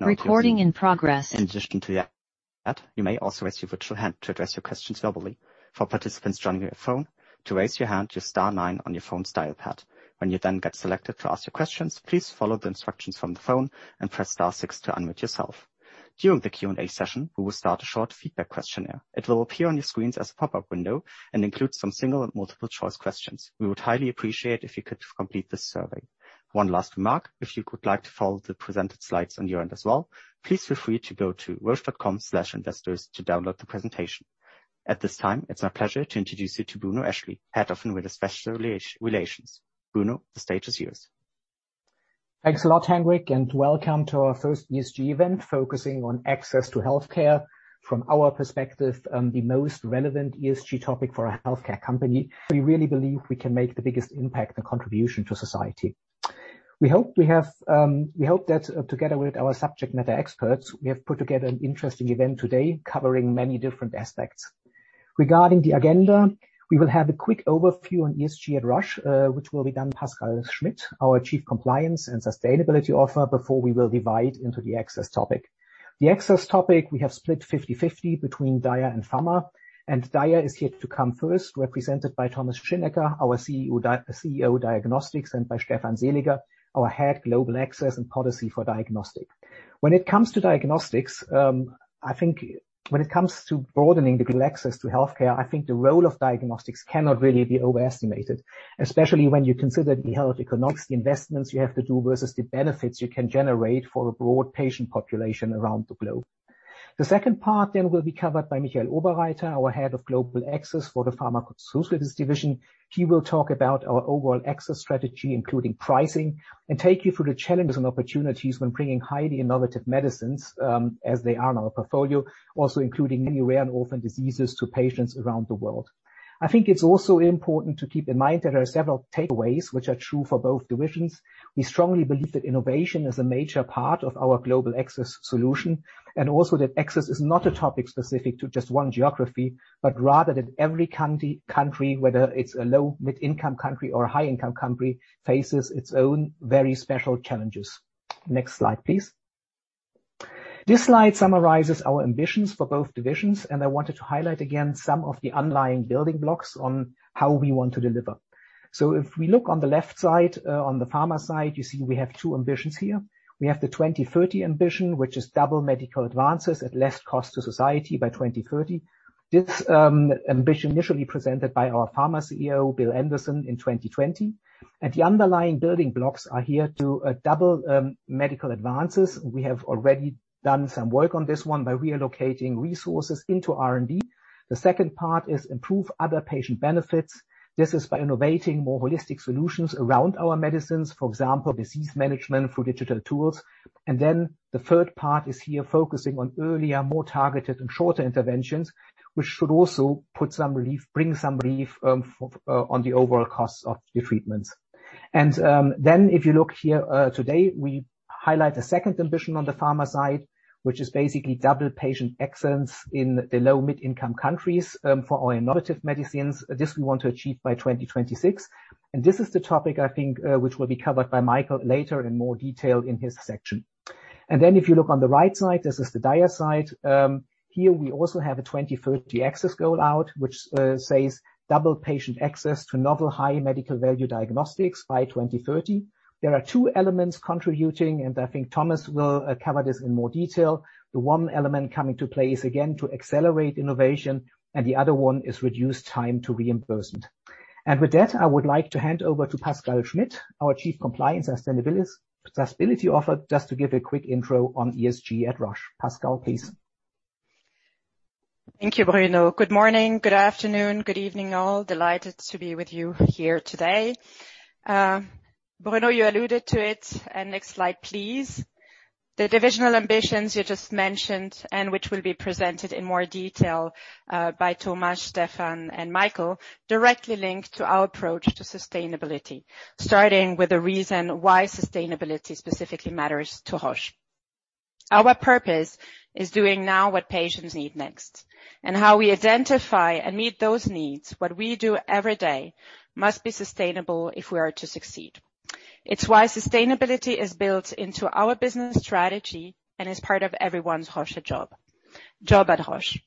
In addition to the app, you may also raise your virtual hand to address your questions verbally. For participants joining via phone, to raise your hand, use star nine on your phone's dial pad. When you then get selected to ask your questions, please follow the instructions from the phone and press star six to unmute yourself. During the Q&A session, we will start a short feedback questionnaire. It will appear on your screens as a pop-up window and includes some single and multiple-choice questions. We would highly appreciate if you could complete this survey. One last remark. If you would like to follow the presented slides on your end as well, please feel free to go to roche.com/investors to download the presentation. At this time, it's my pleasure to introduce you to Bruno Eschli, Head of Investor Relations. Bruno, the stage is yours. Thanks a lot, Henrik, and welcome to our first ESG event, focusing on access to healthcare. From our perspective, the most relevant ESG topic for a healthcare company. We really believe we can make the biggest impact and contribution to society. We hope that together with our subject matter experts, we have put together an interesting event today covering many different aspects. Regarding the agenda, we will have a quick overview on ESG at Roche, which will be done by Pascale Schmidt, our Chief Compliance and Sustainability Officer, before we will divide into the access topic. The access topic we have split 50-50 between Dia and Pharma, and Dia is here to come first, represented by Thomas Schinecker, our CEO Diagnostics, and by Stefan Seliger, our Head Global Access and Policy for Diagnostics. When it comes to diagnostics, I think when it comes to broadening the access to healthcare, I think the role of diagnostics cannot really be overestimated, especially when you consider the health economics investments you have to do versus the benefits you can generate for a broad patient population around the globe. The second part will be covered by Michael Oberreiter, our Head of Global Access for the Pharmaceutical Solutions division. He will talk about our overall access strategy, including pricing, and take you through the challenges and opportunities when bringing highly innovative medicines, as they are in our portfolio, also including many rare and orphan diseases to patients around the world. I think it's also important to keep in mind there are several takeaways which are true for both divisions. We strongly believe that innovation is a major part of our global access solution, and also that access is not a topic specific to just one geography, but rather that every country, whether it's a low- and middle-income country or a high-income country, faces its own very special challenges. Next slide, please. This slide summarizes our ambitions for both divisions, and I wanted to highlight again some of the underlying building blocks on how we want to deliver. If we look on the left side, on the Pharma side, you see we have two ambitions here. We have the 2030 ambition, which is double medical advances at less cost to society by 2030. This ambition initially presented by our Pharma CEO, Bill Anderson, in 2020. The underlying building blocks are here to double medical advances. We have already done some work on this one by relocating resources into R&D. The second part is improve other patient benefits. This is by innovating more holistic solutions around our medicines, for example, disease management through digital tools. Then the third part is here, focusing on earlier, more targeted and shorter interventions, which should also bring some relief on the overall costs of the treatments. Then if you look here, today, we highlight a second ambition on the Pharma side, which is basically double patient access in the low- and middle-income countries, for all innovative medicines. This we want to achieve by 2026, and this is the topic I think which will be covered by Michael later in more detail in his section. Then if you look on the right side, this is the Dia side. Here we also have a 2030 access goal out, which says double patient access to novel high medical value diagnostics by 2030. There are two elements contributing, and I think Thomas will cover this in more detail. The one element coming to play is again to accelerate innovation, and the other one is reduced time to reimbursement. With that, I would like to hand over to Pascale Schmidt, our Chief Compliance and Sustainability Officer, just to give a quick intro on ESG at Roche. Pascale, please. Thank you, Bruno. Good morning, good afternoon, good evening, all. Delighted to be with you here today. Bruno, you alluded to it. Next slide, please. The divisional ambitions you just mentioned, and which will be presented in more detail by Thomas, Stefan, and Michael, directly link to our approach to sustainability, starting with the reason why sustainability specifically matters to Roche. Our purpose is doing now what patients need next. How we identify and meet those needs, what we do every day, must be sustainable if we are to succeed. It's why sustainability is built into our business strategy and is part of everyone's job at Roche.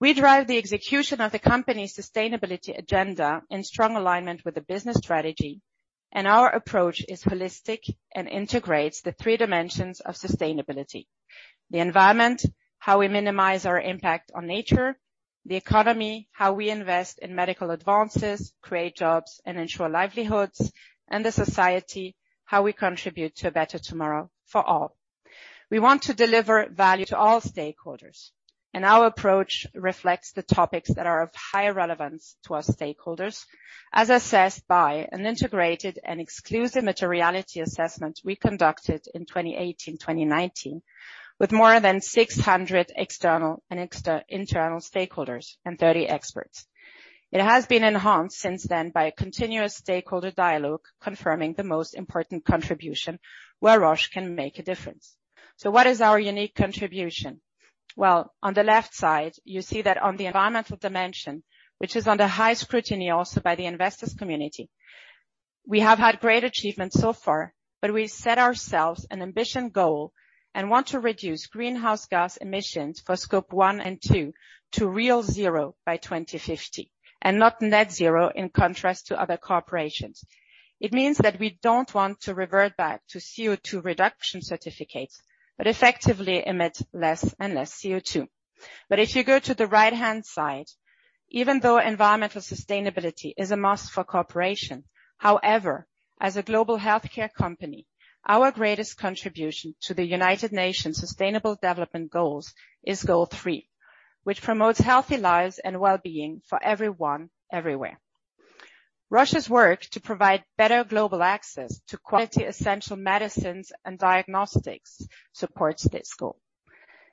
We drive the execution of the company's sustainability agenda in strong alignment with the business strategy, and our approach is holistic and integrates the three dimensions of sustainability. The environment, how we minimize our impact on nature. The economy, how we invest in medical advances, create jobs, and ensure livelihoods. The society, how we contribute to a better tomorrow for all. We want to deliver value to all stakeholders, and our approach reflects the topics that are of high relevance to our stakeholders, as assessed by an integrated and exhaustive materiality assessment we conducted in 2018, 2019, with more than 600 external and internal stakeholders and 30 experts. It has been enhanced since then by a continuous stakeholder dialogue confirming the most important contribution where Roche can make a difference. What is our unique contribution? On the left side, you see that on the environmental dimension, which is under high scrutiny also by the investor community. We have had great achievements so far, but we set ourselves an ambitious goal and want to reduce greenhouse gas emissions for scope one and two to real zero by 2050, and not net zero in contrast to other corporations. It means that we don't want to revert back to CO₂ reduction certificates, but effectively emit less and less CO₂. If you go to the right-hand side, even though environmental sustainability is a must for corporation, however, as a global healthcare company, our greatest contribution to the United Nations Sustainable Development Goals is goal three, which promotes healthy lives and well-being for everyone, everywhere. Roche's work to provide better global access to quality essential medicines and diagnostics supports this goal.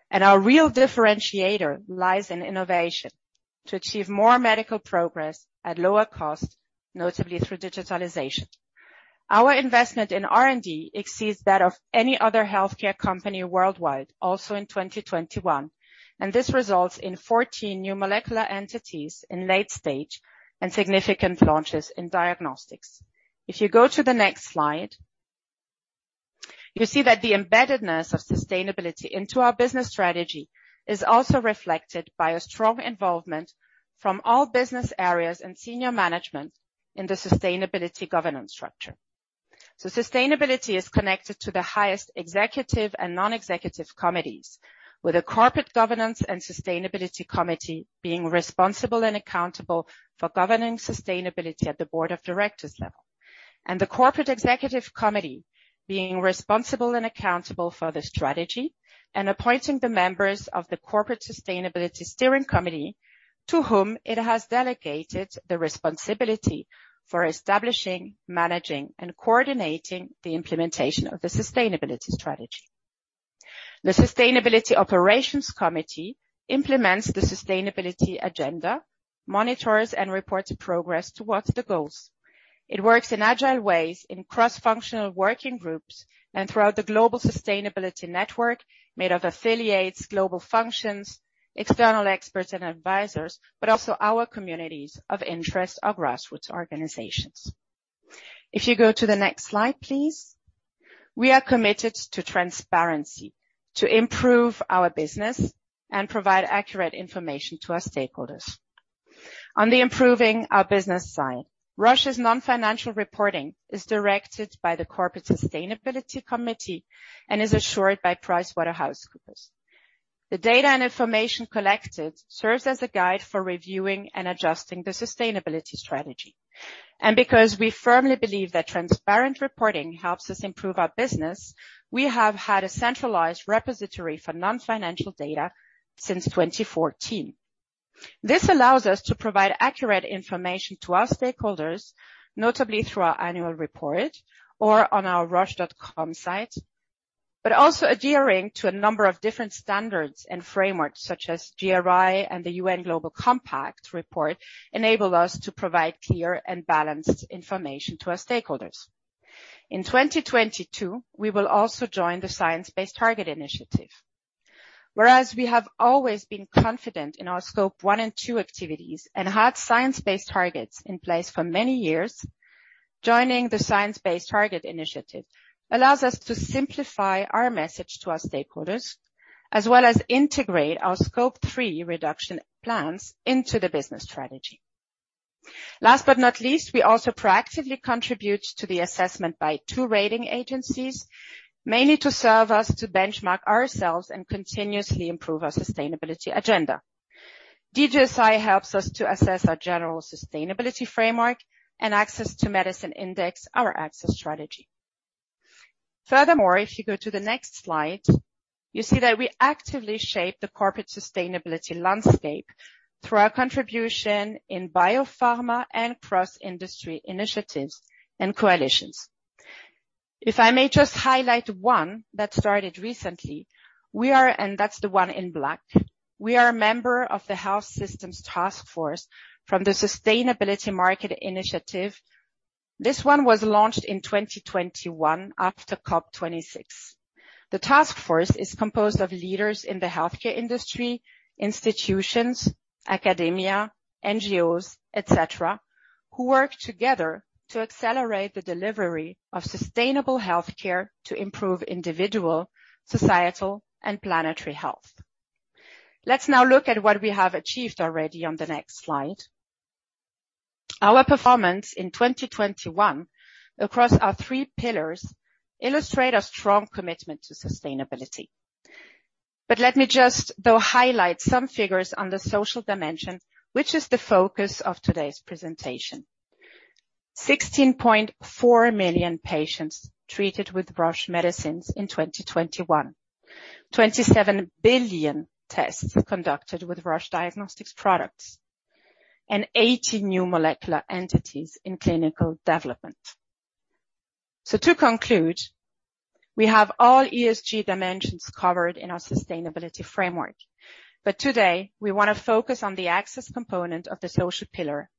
Our real differentiator lies in innovation to achieve more medical progress at lower cost, notably through digitalization. Our investment in R&D exceeds that of any other healthcare company worldwide, also in 2021, and this results in 14 new molecular entities in late stage and significant launches in diagnostics. If you go to the next slide, you see that the embeddedness of sustainability into our business strategy is also reflected by a strong involvement from all business areas and senior management in the sustainability governance structure. Sustainability is connected to the highest executive and non-executive committees, with a Corporate Governance and Sustainability Committee being responsible and accountable for governing sustainability at the Board of Directors level. The Corporate Executive Committee being responsible and accountable for the strategy and appointing the members of the Corporate Sustainability Steering Committee to whom it has delegated the responsibility for establishing, managing, and coordinating the implementation of the sustainability strategy. The Sustainability Operations Committee implements the sustainability agenda, monitors and reports progress towards the goals. It works in agile ways in cross-functional working groups and throughout the global sustainability network made of affiliates, global functions, external experts and advisors, but also our communities of interest are grassroots organizations. If you go to the next slide, please. We are committed to transparency to improve our business and provide accurate information to our stakeholders. On the improving our business side, Roche's non-financial reporting is directed by the Corporate Sustainability Committee and is assured by PricewaterhouseCoopers. The data and information collected serves as a guide for reviewing and adjusting the sustainability strategy. Because we firmly believe that transparent reporting helps us improve our business, we have had a centralized repository for non-financial data since 2014. This allows us to provide accurate information to our stakeholders, notably through our annual report or on our Roche.com site, but also adhering to a number of different standards and frameworks such as GRI and the UN Global Compact reports enable us to provide clear and balanced information to our stakeholders. In 2022, we will also join the Science Based Targets initiative. Whereas we have always been confident in our scope one and two activities and had science-based targets in place for many years, joining the Science Based Targets initiative allows us to simplify our message to our stakeholders, as well as integrate our scope three reduction plans into the business strategy. Last but not least, we also proactively contribute to the assessment by two rating agencies, mainly to serve us to benchmark ourselves and continuously improve our sustainability agenda. DJSI helps us to assess our general sustainability framework and Access to Medicine Index our access strategy. Furthermore, if you go to the next slide, you see that we actively shape the corporate sustainability landscape through our contribution in biopharma and cross-industry initiatives and coalitions. If I may just highlight one that started recently, and that's the one in black. We are a member of the Health Systems Task Force from the Sustainable Markets Initiative. This one was launched in 2021 after COP26. The task force is composed of leaders in the healthcare industry, institutions, academia, NGOs, et cetera, who work together to accelerate the delivery of sustainable health care to improve individual, societal, and planetary health. Let's now look at what we have achieved already on the next slide. Our performance in 2021 across our three pillars illustrate a strong commitment to sustainability. Let me just, though, highlight some figures on the social dimension, which is the focus of today's presentation. 16.4 million patients treated with Roche medicines in 2021. 27 billion tests conducted with Roche Diagnostics products, and 80 new molecular entities in clinical development. To conclude, we have all ESG dimensions covered in our sustainability framework. Today, we want to focus on the access component of the social pillar.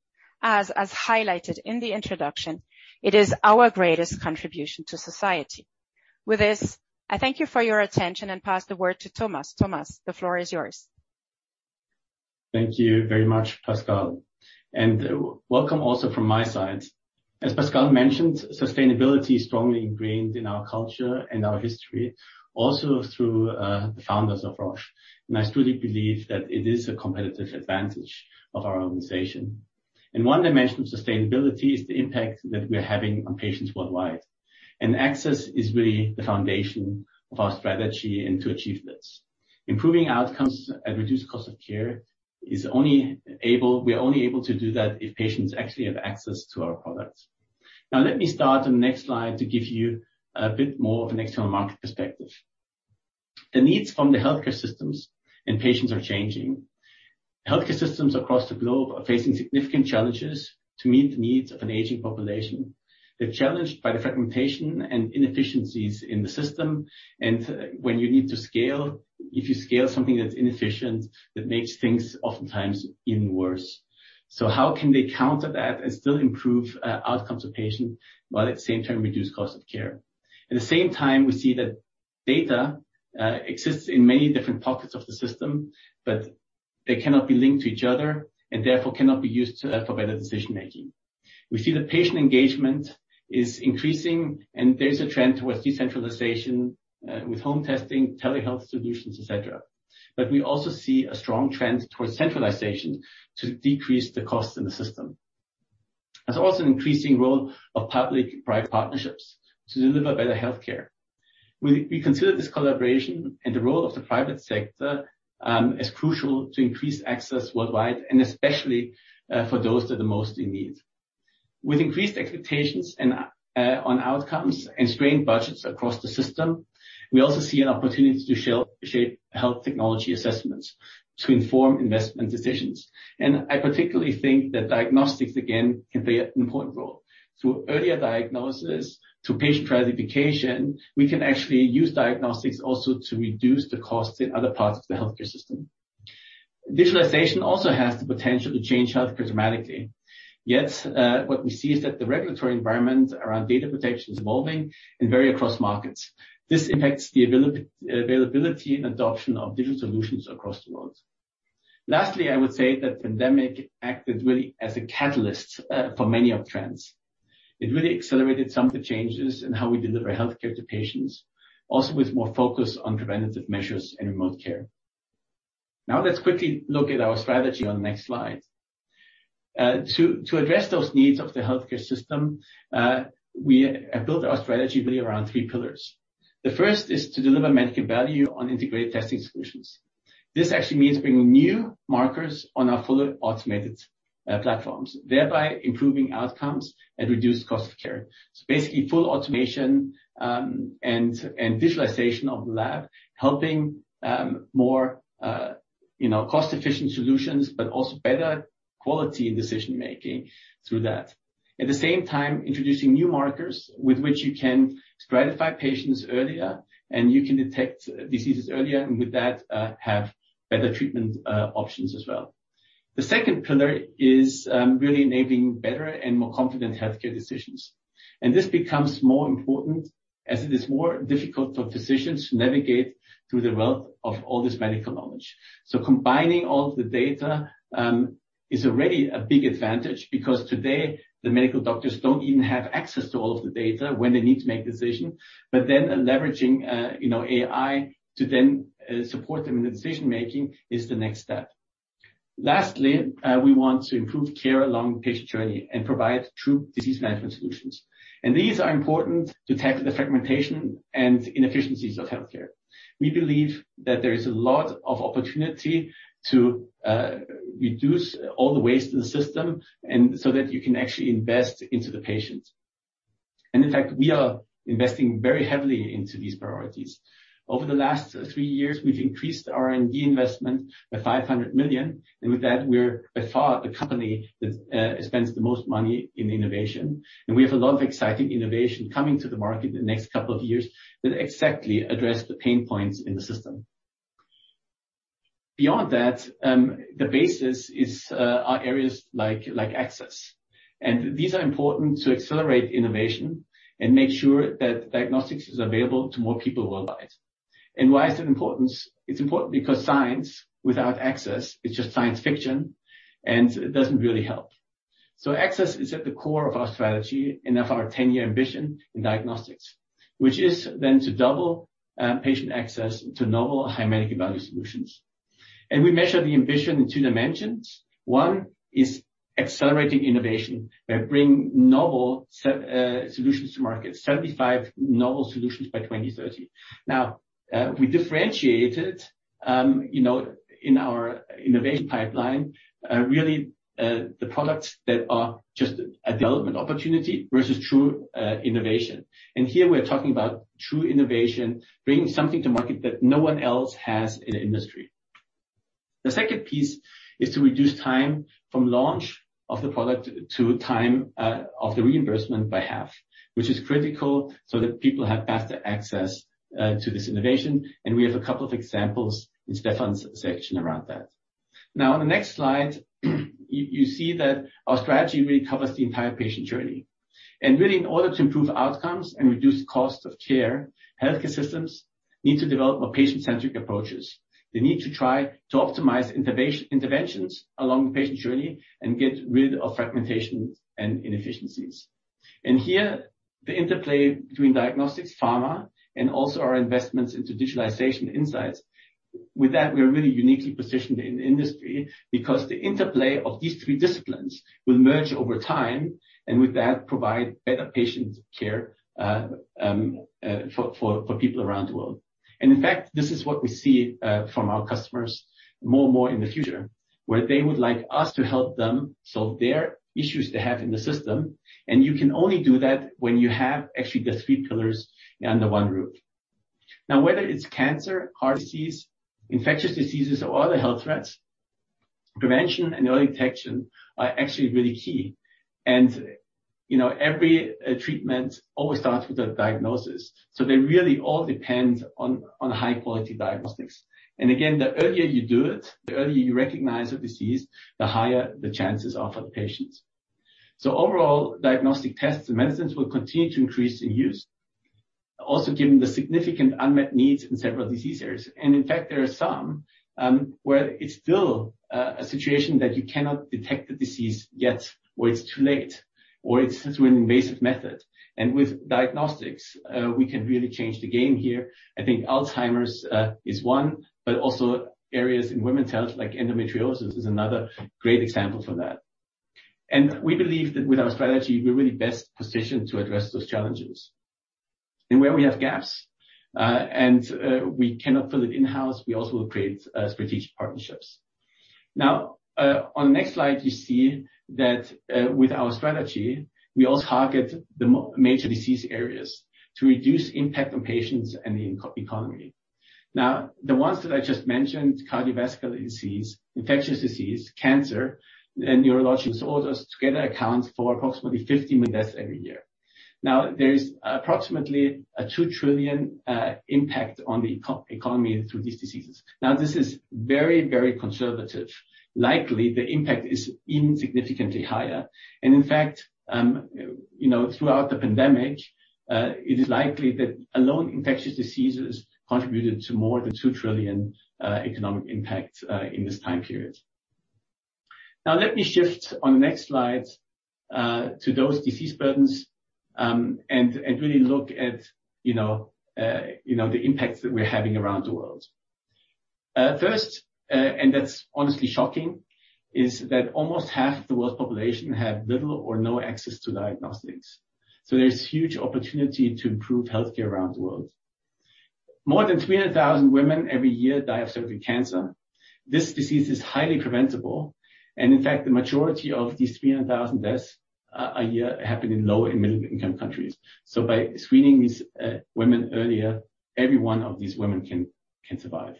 As highlighted in the introduction, it is our greatest contribution to society. With this, I thank you for your attention and pass the word to Thomas. Thomas, the floor is yours. Thank you very much, Pascale, and welcome also from my side. As Pascale mentioned, sustainability is strongly ingrained in our culture and our history, also through the founders of Roche. I truly believe that it is a competitive advantage of our organization. One dimension of sustainability is the impact that we're having on patients worldwide. Access is really the foundation of our strategy and to achieve this. Improving outcomes at reduced cost of care is we are only able to do that if patients actually have access to our products. Now let me start on the next slide to give you a bit more of an external market perspective. The needs from the healthcare systems and patients are changing. Healthcare systems across the globe are facing significant challenges to meet the needs of an aging population. They're challenged by the fragmentation and inefficiencies in the system and when you need to scale, if you scale something that's inefficient, that makes things oftentimes even worse. How can they counter that and still improve outcomes of patients, while at the same time reduce cost of care? At the same time, we see that data exists in many different pockets of the system, but they cannot be linked to each other and therefore cannot be used to help for better decision-making. We see that patient engagement is increasing and there's a trend towards decentralization with home testing, telehealth solutions, et cetera. We also see a strong trend towards centralization to decrease the cost in the system. There's also an increasing role of public-private partnerships to deliver better healthcare. We consider this collaboration and the role of the private sector as crucial to increase access worldwide and especially for those that are most in need. With increased expectations and on outcomes and strained budgets across the system, we also see an opportunity to shape health technology assessments to inform investment decisions. I particularly think that diagnostics, again, can play an important role. Through earlier diagnosis to patient stratification, we can actually use diagnostics also to reduce the costs in other parts of the healthcare system. Digitalization also has the potential to change healthcare dramatically. Yet what we see is that the regulatory environment around data protection is evolving and vary across markets. This impacts the availability and adoption of digital solutions across the world. Lastly, I would say that pandemic acted really as a catalyst for many of trends. It really accelerated some of the changes in how we deliver healthcare to patients, also with more focus on preventive measures and remote care. Now let's quickly look at our strategy on the next slide. To address those needs of the healthcare system, we have built our strategy really around three pillars. The first is to deliver medical value on integrated testing solutions. This actually means bringing new markers on our fully automated platforms, thereby improving outcomes and reduced cost of care. Basically, full automation and visualization of the lab, helping more you know cost-efficient solutions, but also better quality in decision-making through that. At the same time, introducing new markers with which you can stratify patients earlier and you can detect diseases earlier, and with that, have better treatment options as well. The second pillar is really enabling better and more confident healthcare decisions. This becomes more important as it is more difficult for physicians to navigate through the wealth of all this medical knowledge. Combining all the data is already a big advantage because today, the medical doctors don't even have access to all of the data when they need to make decision. Leveraging, you know, AI to then support them in the decision-making is the next step. Lastly, we want to improve care along the patient journey and provide true disease management solutions. These are important to tackle the fragmentation and inefficiencies of healthcare. We believe that there is a lot of opportunity to reduce all the waste in the system and so that you can actually invest into the patients. In fact, we are investing very heavily into these priorities. Over the last three years, we've increased R&D investment by 500 million, and with that, we're by far the company that spends the most money in innovation. We have a lot of exciting innovation coming to the market in the next couple of years that exactly address the pain points in the system. Beyond that, the basis are areas like access. These are important to accelerate innovation and make sure that diagnostics is available to more people worldwide. Why is it important? It's important because science without access is just science fiction, and it doesn't really help. Access is at the core of our strategy and of our 10-year ambition in diagnostics, which is then to double patient access to novel high medical value solutions. We measure the ambition in two dimensions. One is accelerating innovation by bringing novel solutions to market, 75 novel solutions by 2030. Now, we differentiated, you know, in our innovation pipeline, really, the products that are just a development opportunity versus true innovation. Here we're talking about true innovation, bringing something to market that no one else has in the industry. The second piece is to reduce time from launch of the product to time of the reimbursement by half, which is critical so that people have faster access to this innovation, and we have a couple of examples in Stefan's section around that. Now on the next slide, you see that our strategy really covers the entire patient journey. Really, in order to improve outcomes and reduce cost of care, healthcare systems need to develop more patient-centric approaches. They need to try to optimize interventions along the patient journey and get rid of fragmentation and inefficiencies. Here the interplay between diagnostics, pharma, and also our investments into digitalization insights. With that, we are really uniquely positioned in the industry because the interplay of these three disciplines will merge over time, and with that, provide better patient care for people around the world. In fact, this is what we see from our customers more and more in the future, where they would like us to help them solve their issues they have in the system. You can only do that when you have actually the three pillars under one roof. Now, whether it's cancer, heart disease, infectious diseases or other health threats, prevention and early detection are actually really key. You know, every treatment always starts with a diagnosis. They really all depend on high-quality diagnostics. Again, the earlier you do it, the earlier you recognize a disease, the higher the chances are for the patients. Overall, diagnostic tests and medicines will continue to increase in use. Also, given the significant unmet needs in several disease areas. In fact, there are some where it's still a situation that you cannot detect the disease yet or it's too late or it's through an invasive method. With diagnostics, we can really change the game here. I think Alzheimer's is one, but also areas in women's health like endometriosis is another great example for that. We believe that with our strategy, we're really best positioned to address those challenges. Where we have gaps and we cannot fill it in-house, we also will create strategic partnerships. Now, on the next slide, you see that with our strategy, we also target the major disease areas to reduce impact on patients and the economy. Now, the ones that I just mentioned, cardiovascular disease, infectious disease, cancer and neurological disorders together account for approximately 50 million deaths every year. Now, there is approximately a 2 trillion impact on the economy through these diseases. Now, this is very, very conservative. Likely, the impact is even significantly higher. And in fact, you know, throughout the pandemic, it is likely that alone infectious diseases contributed to more than 2 trillion economic impact in this time period. Now, let me shift on the next slide to those disease burdens and really look at, you know, the impacts that we're having around the world. First, that's honestly shocking is that almost half the world's population have little or no access to diagnostics. There's huge opportunity to improve healthcare around the world. More than 300,000 women every year die of cervical cancer. This disease is highly preventable. In fact, the majority of these 300,000 deaths a year happen in low and middle-income countries. By screening these women earlier, every one of these women can survive.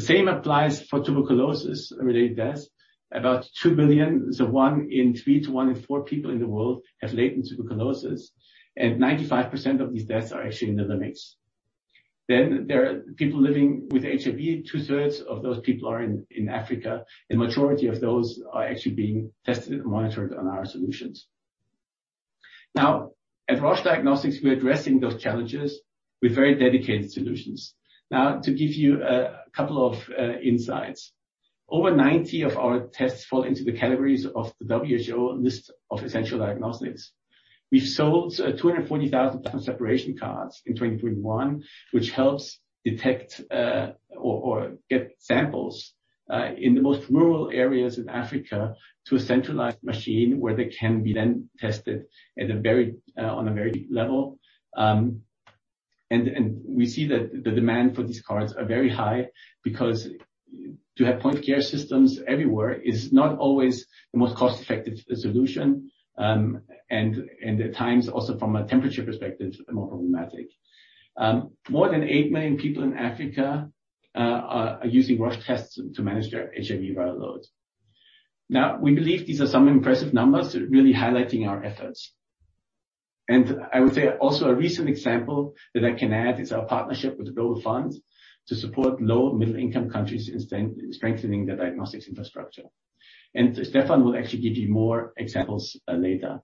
The same applies for tuberculosis-related deaths. About 2 billion, so one in three to one in four people in the world have latent tuberculosis, and 95% of these deaths are actually in the low-income. There are people living with HIV. 2/3 of those people are in Africa, and majority of those are actually being tested and monitored on our solutions. Now, at Roche Diagnostics, we're addressing those challenges with very dedicated solutions. Now, to give you a couple of insights. Over 90 of our tests fall into the categories of the WHO list of essential diagnostics. We've sold 240,000 point-of-care separation cards in 2021, which helps detect or get samples in the most rural areas in Africa to a centralized machine where they can be then tested at a very high level. We see that the demand for these cards are very high because to have point-of-care systems everywhere is not always the most cost-effective solution, and at times also from a temperature perspective, more problematic. More than 8 million people in Africa are using Roche tests to manage their HIV viral load. We believe these are some impressive numbers really highlighting our efforts. I would say also a recent example that I can add is our partnership with The Global Fund to support low and middle-income countries in strengthening their diagnostics infrastructure. Stefan will actually give you more examples later.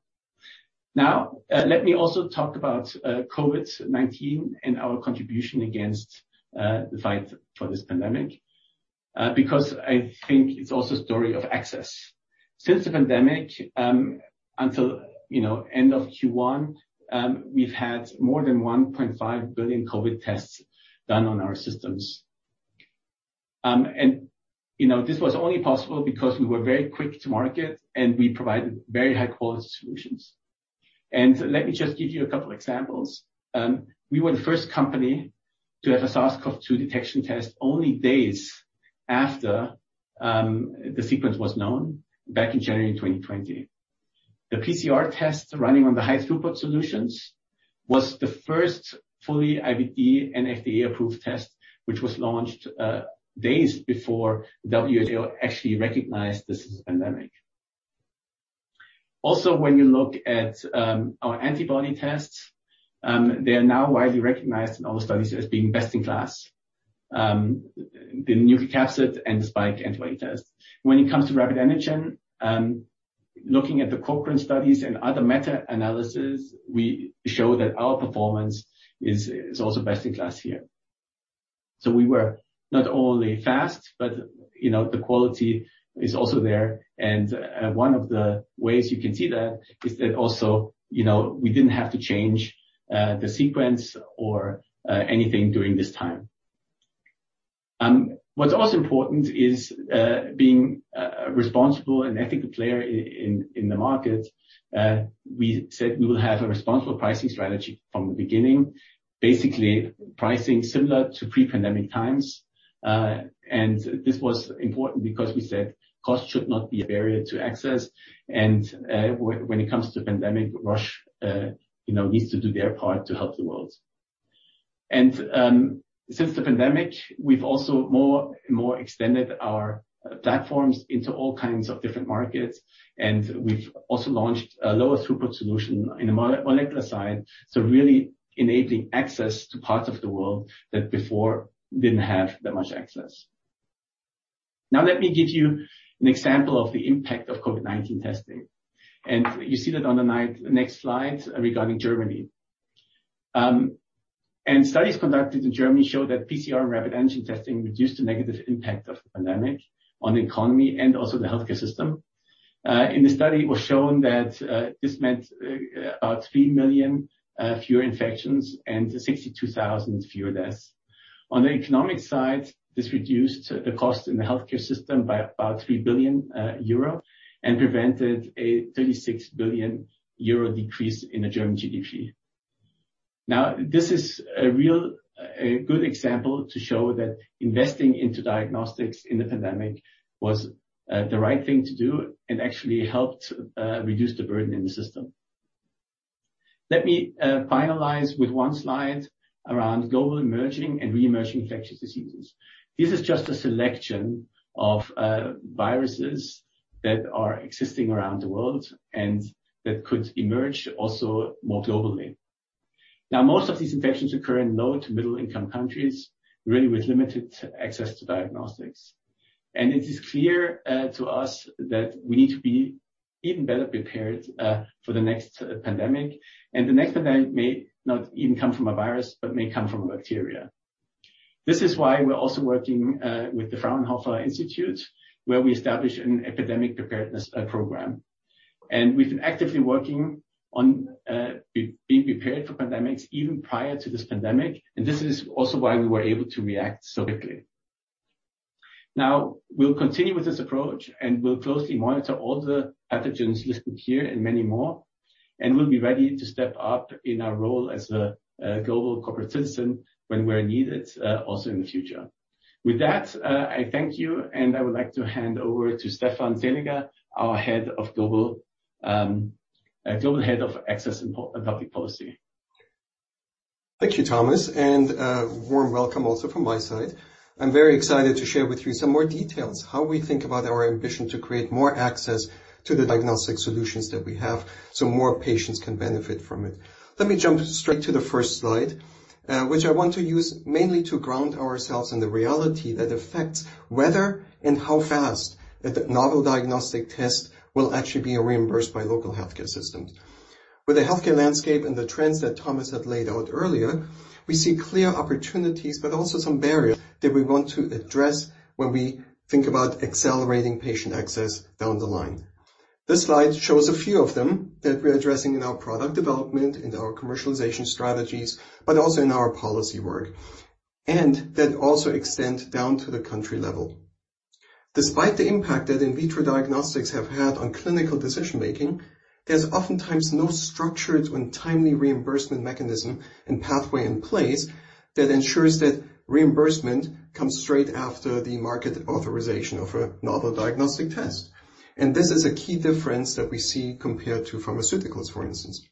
Let me also talk about COVID-19 and our contribution to the fight against this pandemic because I think it's also a story of access. Since the pandemic, you know, until end of Q1, we've had more than 1.5 billion COVID tests done on our systems. You know, this was only possible because we were very quick to market and we provided very high-quality solutions. Let me just give you a couple examples. We were the first company to have a SARS-CoV-2 detection test only days after the sequence was known back in January 2020. The PCR test running on the high throughput solutions was the first fully IVD and FDA approved test, which was launched days before WHO actually recognized this as a pandemic. Also, when you look at our antibody tests, they are now widely recognized in all the studies as being best in class. The nucleocapsid and the spike antibody test. When it comes to rapid antigen, looking at the Cochrane studies and other meta-analysis, we show that our performance is also best in class here. We were not only fast, but, you know, the quality is also there. One of the ways you can see that is that also, you know, we didn't have to change the sequence or anything during this time. What's also important is being a responsible and ethical player in the market. We said we will have a responsible pricing strategy from the beginning. Basically, pricing similar to pre-pandemic times. This was important because we said cost should not be a barrier to access. When it comes to pandemic, Roche, you know, needs to do their part to help the world. Since the pandemic, we've also more and more extended our platforms into all kinds of different markets, and we've also launched a lower throughput solution in the molecular side, so really enabling access to parts of the world that before didn't have that much access. Now let me give you an example of the impact of COVID-19 testing, and you see that on the next slide regarding Germany. Studies conducted in Germany show that PCR rapid antigen testing reduced the negative impact of the pandemic on the economy and also the healthcare system. In the study, it was shown that this meant about 3 million fewer infections and 62,000 fewer deaths. On the economic side, this reduced the cost in the healthcare system by about 3 billion euro and prevented a 36 billion euro decrease in the German GDP. Now, this is a real good example to show that investing into diagnostics in the pandemic was the right thing to do and actually helped reduce the burden in the system. Let me finalize with one slide around global emerging and re-emerging infectious diseases. This is just a selection of viruses that are existing around the world and that could emerge also more globally. Now, most of these infections occur in low- and middle-income countries, really with limited access to diagnostics. It is clear to us that we need to be even better prepared for the next pandemic. The next pandemic may not even come from a virus, but may come from a bacteria. This is why we're also working with the Fraunhofer Institute, where we established an epidemic preparedness program. We've been actively working on being prepared for pandemics even prior to this pandemic, and this is also why we were able to react so quickly. Now, we'll continue with this approach, and we'll closely monitor all the pathogens listed here and many more, and we'll be ready to step up in our role as a global corporate citizen when we're needed also in the future. With that, I thank you, and I would like to hand over to Stefan Seliger, our Head of Global Access and Public Policy. Thank you, Thomas. Warm welcome also from my side. I'm very excited to share with you some more details, how we think about our ambition to create more access to the diagnostic solutions that we have, so more patients can benefit from it. Let me jump straight to the first slide, which I want to use mainly to ground ourselves in the reality that affects whether and how fast a novel diagnostic test will actually be reimbursed by local healthcare systems. With the healthcare landscape and the trends that Thomas had laid out earlier, we see clear opportunities, but also some barriers that we want to address when we think about accelerating patient access down the line. This slide shows a few of them that we're addressing in our product development, in our commercialization strategies, but also in our policy work, and that also extend down to the country level. Despite the impact that in vitro diagnostics have had on clinical decision-making, there's oftentimes no structured and timely reimbursement mechanism and pathway in place that ensures that reimbursement comes straight after the market authorization of a novel diagnostic test. This is a key difference that we see compared to pharmaceuticals, for instance.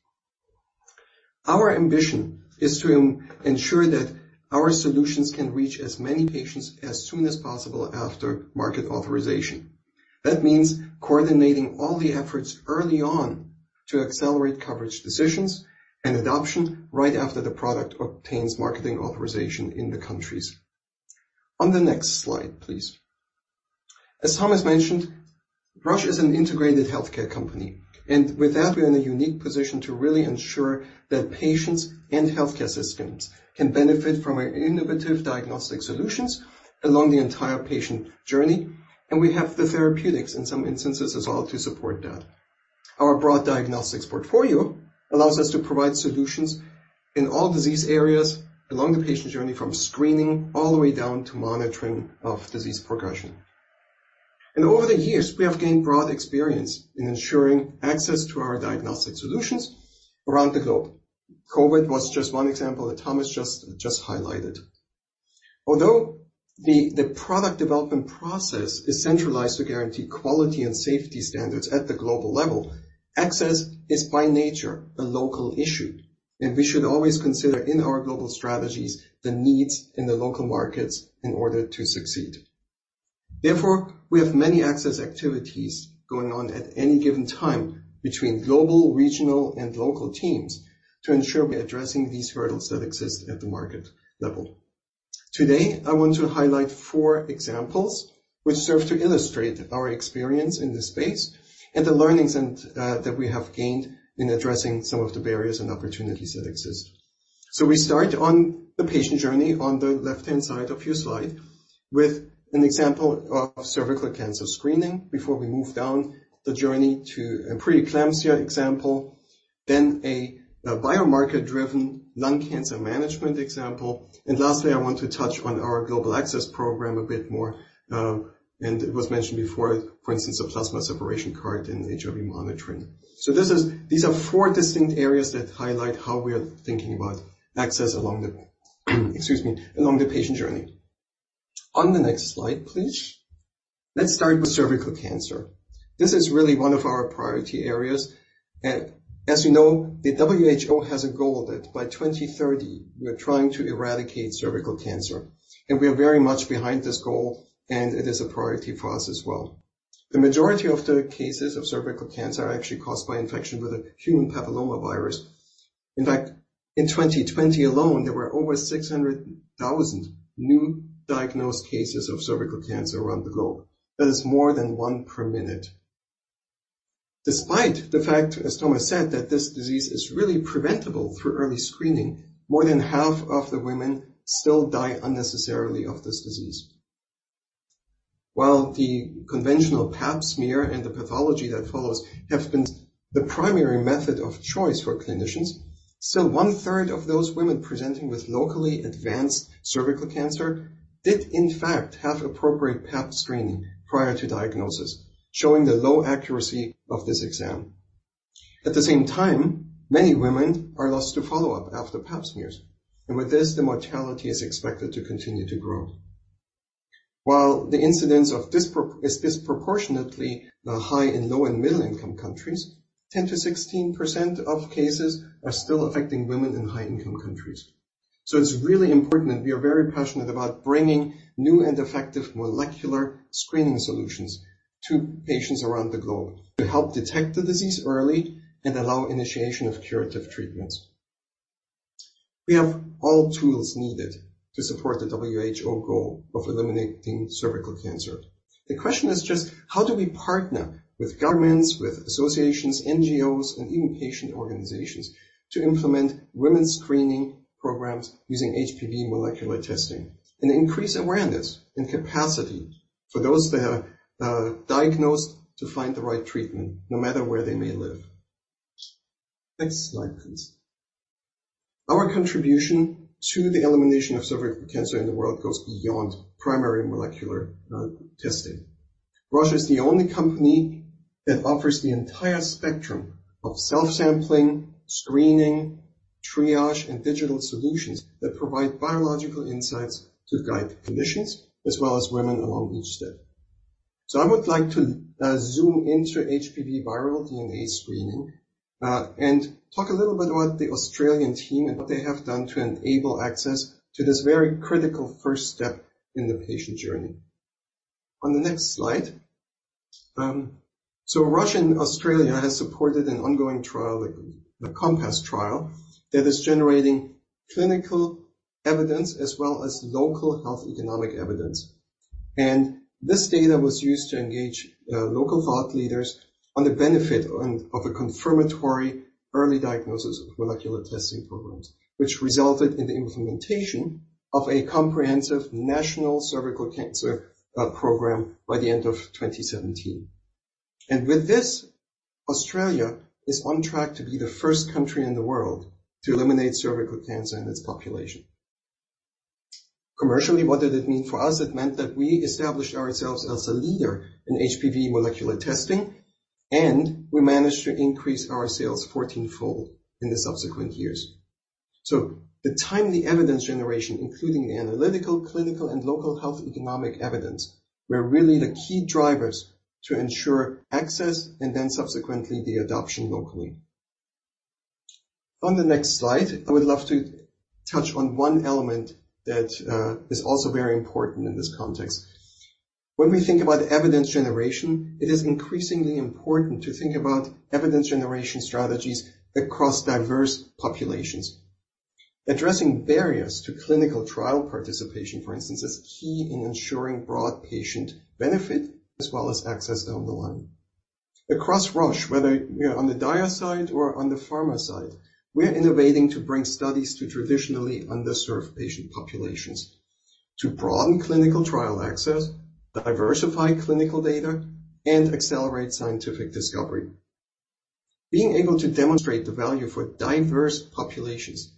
Our ambition is to ensure that our solutions can reach as many patients as soon as possible after market authorization. That means coordinating all the efforts early on to accelerate coverage decisions and adoption right after the product obtains marketing authorization in the countries. On the next slide, please. As Thomas mentioned, Roche is an integrated healthcare company, and with that, we're in a unique position to really ensure that patients and healthcare systems can benefit from our innovative diagnostic solutions along the entire patient journey, and we have the therapeutics in some instances as well to support that. Our broad diagnostics portfolio allows us to provide solutions in all disease areas along the patient journey, from screening all the way down to monitoring of disease progression. Over the years, we have gained broad experience in ensuring access to our diagnostic solutions around the globe. COVID was just one example that Thomas just highlighted. Although the product development process is centralized to guarantee quality and safety standards at the global level, access is by nature a local issue, and we should always consider in our global strategies the needs in the local markets in order to succeed. Therefore, we have many access activities going on at any given time between global, regional, and local teams to ensure we're addressing these hurdles that exist at the market level. Today, I want to highlight four examples which serve to illustrate our experience in this space and the learnings and that we have gained in addressing some of the barriers and opportunities that exist. We start on the patient journey on the left-hand side of your slide with an example of cervical cancer screening before we move down the journey to a preeclampsia example, then a biomarker-driven lung cancer management example. Lastly, I want to touch on our Global Access Program a bit more, and it was mentioned before, for instance, a Plasma Separation Card in HIV monitoring. These are four distinct areas that highlight how we are thinking about access along the patient journey. On the next slide, please. Let's start with cervical cancer. This is really one of our priority areas. As you know, the WHO has a goal that by 2030 we are trying to eradicate cervical cancer. We are very much behind this goal, and it is a priority for us as well. The majority of the cases of cervical cancer are actually caused by infection with a human papillomavirus. In fact, in 2020 alone, there were over 600,000 new diagnosed cases of cervical cancer around the globe. That is more than one per minute. Despite the fact, as Thomas said, that this disease is really preventable through early screening, more than half of the women still die unnecessarily of this disease. While the conventional Pap smear and the pathology that follows have been the primary method of choice for clinicians, still one-third of those women presenting with locally advanced cervical cancer did in fact have appropriate Pap screening prior to diagnosis, showing the low accuracy of this exam. At the same time, many women are lost to follow-up after Pap smears, and with this, the mortality is expected to continue to grow. While the incidence is disproportionately high in low- and middle-income countries, 10%-16% of cases are still affecting women in high-income countries. It's really important, and we are very passionate about bringing new and effective molecular screening solutions to patients around the globe to help detect the disease early and allow initiation of curative treatments. We have all tools needed to support the WHO goal of eliminating cervical cancer. The question is just how do we partner with governments, with associations, NGOs, and even patient organizations to implement women's screening programs using HPV molecular testing and increase awareness and capacity for those that are diagnosed to find the right treatment no matter where they may live. Next slide, please. Our contribution to the elimination of cervical cancer in the world goes beyond primary molecular testing. Roche is the only company that offers the entire spectrum of self-sampling, screening, triage, and digital solutions that provide biological insights to guide clinicians as well as women along each step. I would like to zoom into HPV viral DNA screening and talk a little bit about the Australian team and what they have done to enable access to this very critical first step in the patient journey. On the next slide. Roche in Australia has supported an ongoing trial, the Compass trial, that is generating clinical evidence as well as local health economic evidence. This data was used to engage local thought leaders on the benefit and of a confirmatory early diagnosis of molecular testing programs, which resulted in the implementation of a comprehensive national cervical cancer program by the end of 2017. With this, Australia is on track to be the first country in the world to eliminate cervical cancer in its population. Commercially, what did it mean for us? It meant that we established ourselves as a leader in HPV molecular testing, and we managed to increase our sales fourteen-fold in the subsequent years. The timely evidence generation, including the analytical, clinical, and local health economic evidence, were really the key drivers to ensure access and then subsequently the adoption locally. On the next slide, I would love to touch on one element that, is also very important in this context. When we think about evidence generation, it is increasingly important to think about evidence generation strategies across diverse populations. Addressing barriers to clinical trial participation, for instance, is key in ensuring broad patient benefit as well as access down the line. Across Roche, whether we are on the Dia side or on the pharma side, we are innovating to bring studies to traditionally underserved patient populations to broaden clinical trial access, diversify clinical data, and accelerate scientific discovery. Being able to demonstrate the value for diverse populations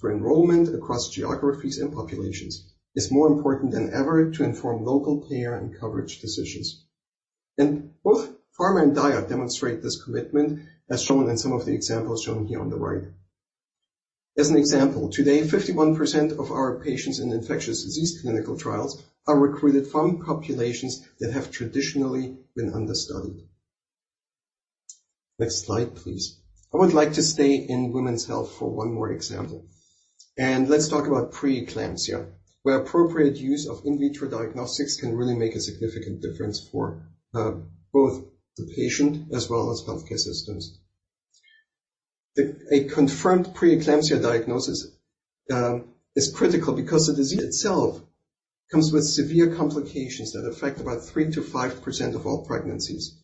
for enrollment across geographies and populations is more important than ever to inform local payer and coverage decisions. Both pharma and Dia demonstrate this commitment, as shown in some of the examples shown here on the right. As an example, today 51% of our patients in infectious disease clinical trials are recruited from populations that have traditionally been understudied. Next slide, please. I would like to stay in women's health for one more example, and let's talk about preeclampsia, where appropriate use of in vitro diagnostics can really make a significant difference for both the patient as well as healthcare systems. A confirmed preeclampsia diagnosis is critical because the disease itself comes with severe complications that affect about 3%-5% of all pregnancies.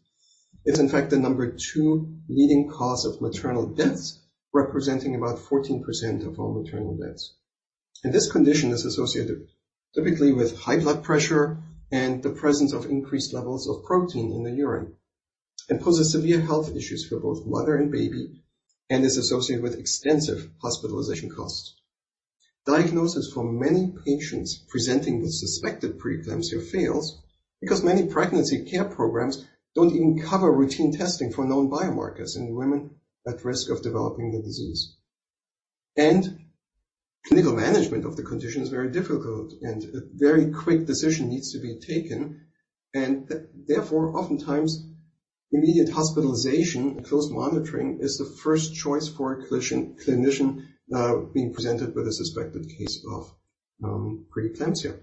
It's in fact the number two leading cause of maternal deaths, representing about 14% of all maternal deaths. This condition is associated typically with high blood pressure and the presence of increased levels of protein in the urine and poses severe health issues for both mother and baby and is associated with extensive hospitalization costs. Diagnosis for many patients presenting with suspected preeclampsia fails because many pregnancy care programs don't even cover routine testing for known biomarkers in women at risk of developing the disease. Clinical management of the condition is very difficult, and a very quick decision needs to be taken, and therefore, oftentimes, immediate hospitalization and close monitoring is the first choice for a clinician being presented with a suspected case of preeclampsia.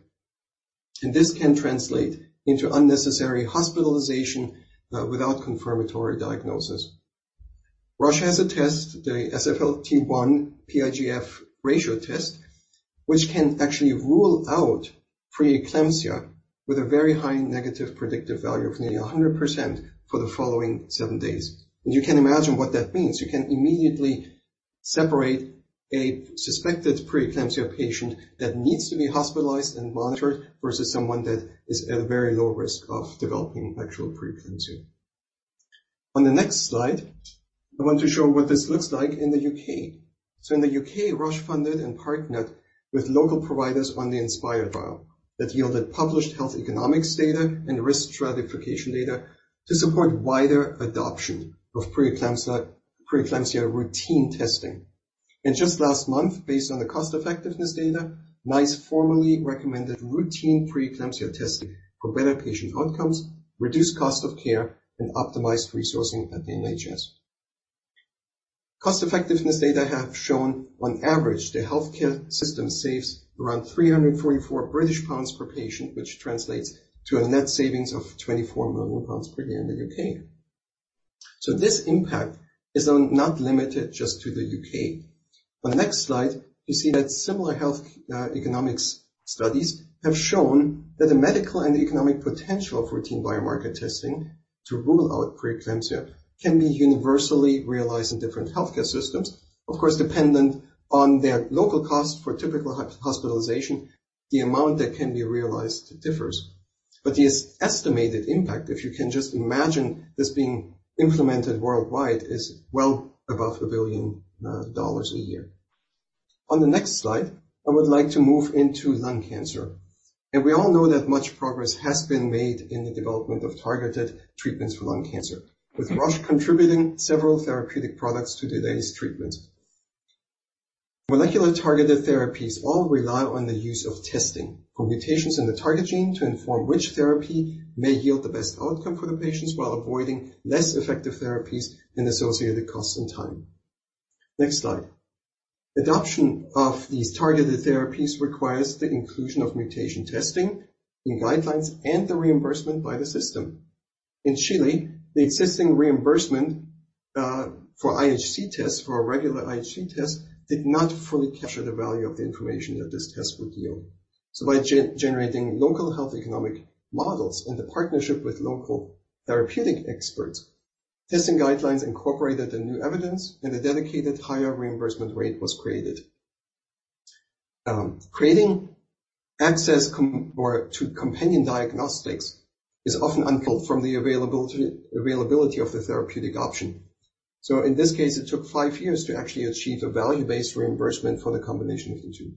This can translate into unnecessary hospitalization without confirmatory diagnosis. Roche has a test, the Elecsys sFlt-1/PlGF ratio test, which can actually rule out preeclampsia with a very high negative predictive value of nearly 100% for the following seven days. You can imagine what that means. You can immediately separate a suspected preeclampsia patient that needs to be hospitalized and monitored versus someone that is at a very low risk of developing actual preeclampsia. On the next slide, I want to show what this looks like in the U.K. In the U.K., Roche funded and partnered with local providers on the INSPIRE trial that yielded published health economics data and risk stratification data to support wider adoption of preeclampsia routine testing. Just last month, based on the cost-effectiveness data, NICE formally recommended routine preeclampsia testing for better patient outcomes, reduced cost of care, and optimized resourcing at the NHS. Cost-effectiveness data have shown on average, the healthcare system saves around 344 British pounds per patient, which translates to a net savings of 24 million pounds per year in the U.K. This impact is not limited just to the U.K. On the next slide, you see that similar health economics studies have shown that the medical and economic potential of routine biomarker testing to rule out preeclampsia can be universally realized in different healthcare systems. Of course, dependent on their local cost for typical hospitalization, the amount that can be realized differs. The estimated impact, if you can just imagine this being implemented worldwide, is well above $1 billion a year. On the next slide, I would like to move into lung cancer. We all know that much progress has been made in the development of targeted treatments for lung cancer, with Roche contributing several therapeutic products to today's treatment. Molecular-targeted therapies all rely on the use of testing for mutations in the target gene to inform which therapy may yield the best outcome for the patients while avoiding less effective therapies and associated costs and time. Next slide. Adoption of these targeted therapies requires the inclusion of mutation testing in guidelines and the reimbursement by the system. In Chile, the existing reimbursement for IHC tests, for a regular IHC test, did not fully capture the value of the information that this test would yield. By generating local health economic models and the partnership with local therapeutic experts, testing guidelines incorporated the new evidence, and a dedicated higher reimbursement rate was created. Creating access to companion diagnostics is often unbuilt from the availability of the therapeutic option. In this case, it took five years to actually achieve a value-based reimbursement for the combination of the two.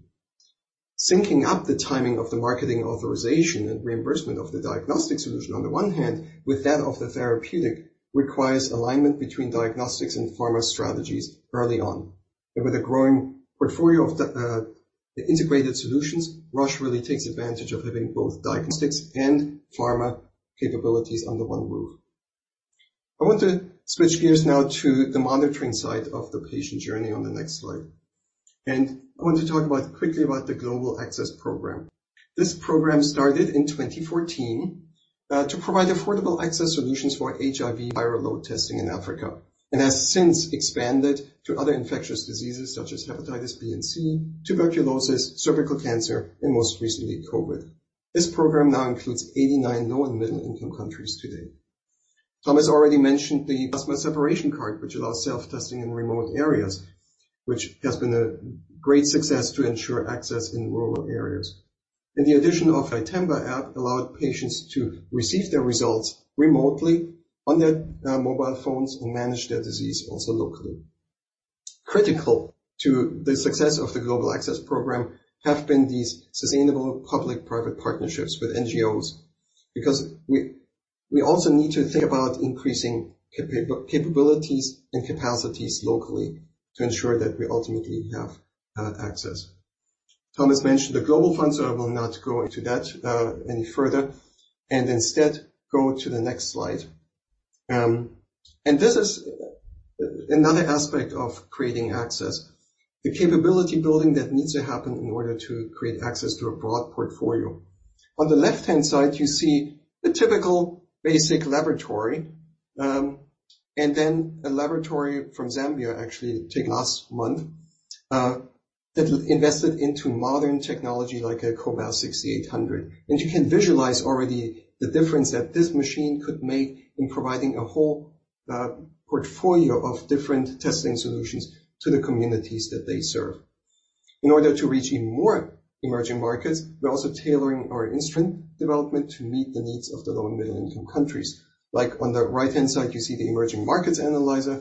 Syncing up the timing of the marketing authorization and reimbursement of the diagnostic solution on the one hand with that of the therapeutic requires alignment between diagnostics and pharma strategies early on. With a growing portfolio of the integrated solutions, Roche really takes advantage of having both diagnostics and pharma capabilities under one roof. I want to switch gears now to the monitoring side of the patient journey on the next slide. I want to talk about, quickly about the Global Access Program. This program started in 2014 to provide affordable access solutions for HIV viral load testing in Africa and has since expanded to other infectious diseases such as hepatitis B and C, tuberculosis, cervical cancer, and most recently, COVID. This program now includes 89 low and middle-income countries today. Thomas already mentioned the plasma separation card, which allows self-testing in remote areas, which has been a great success to ensure access in rural areas. The addition of iThemba app allowed patients to receive their results remotely on their mobile phones and manage their disease also locally. Critical to the success of the Global Access Program have been these sustainable public-private partnerships with NGOs, because we also need to think about increasing capabilities and capacities locally to ensure that we ultimately have access. Thomas mentioned the Global Fund, so I will not go into that any further, and instead go to the next slide. This is another aspect of creating access, the capability building that needs to happen in order to create access to a broad portfolio. On the left-hand side, you see the typical basic laboratory, and then a laboratory from Zambia actually taken last month that invested into modern technology like a Cobas C800. You can visualize already the difference that this machine could make in providing a whole portfolio of different testing solutions to the communities that they serve. In order to reach even more emerging markets, we're also tailoring our instrument development to meet the needs of the low- and middle-income countries. Like on the right-hand side, you see the emerging markets analyzer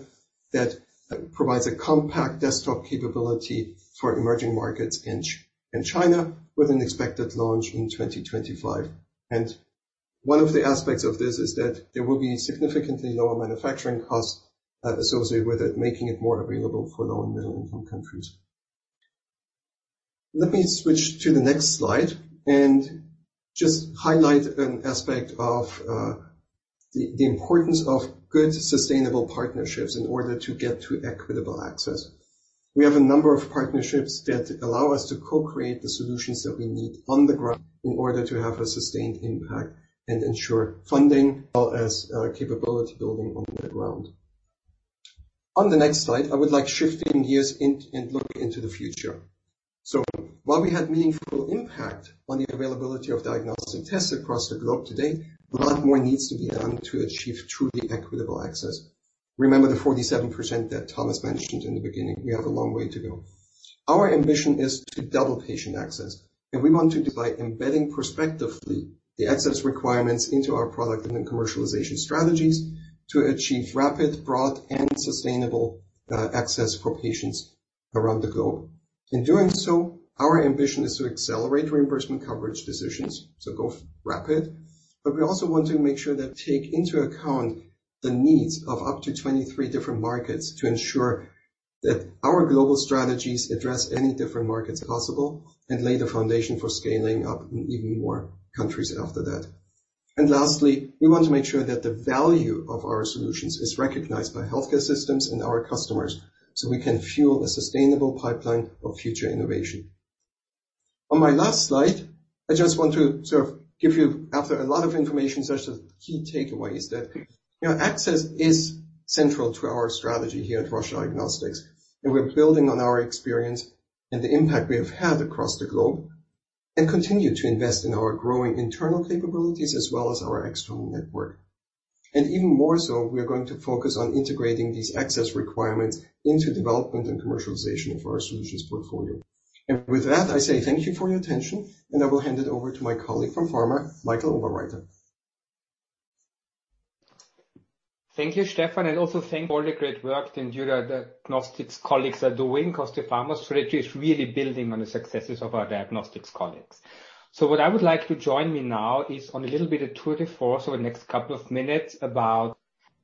that provides a compact desktop capability for emerging markets in China with an expected launch in 2025. One of the aspects of this is that there will be significantly lower manufacturing costs associated with it, making it more available for low- and middle-income countries. Let me switch to the next slide and just highlight an aspect of the importance of good, sustainable partnerships in order to get to equitable access. We have a number of partnerships that allow us to co-create the solutions that we need on the ground in order to have a sustained impact and ensure funding as capability building on the ground. On the next slide, I would like to shift gears and look into the future. While we had meaningful impact on the availability of diagnostic tests across the globe today, a lot more needs to be done to achieve truly equitable access. Remember the 47% that Thomas mentioned in the beginning, we have a long way to go. Our ambition is to double patient access, and we want to do by embedding prospectively the access requirements into our product and then commercialization strategies to achieve rapid, broad, and sustainable access for patients around the globe. In doing so, our ambition is to accelerate reimbursement coverage decisions, so go rapid. We also want to make sure that take into account the needs of up to 23 different markets to ensure that our global strategies address any different markets possible and lay the foundation for scaling up in even more countries after that. Lastly, we want to make sure that the value of our solutions is recognized by healthcare systems and our customers, so we can fuel a sustainable pipeline of future innovation. On my last slide, I just want to sort of give you after a lot of information, just the key takeaways that, you know, access is central to our strategy here at Roche Diagnostics. We're building on our experience and the impact we have had across the globe and continue to invest in our growing internal capabilities as well as our external network. Even more so, we are going to focus on integrating these access requirements into development and commercialization of our solutions portfolio. With that, I say thank you for your attention, and I will hand it over to my colleague from Pharma, Michael Oberreiter. Thank you, Stefan, and also thanks for all the great work our diagnostics colleagues are doing, because the pharma strategy is really building on the successes of our diagnostics colleagues. What I would like you to join me now is on a little bit of tour de force over the next couple of minutes about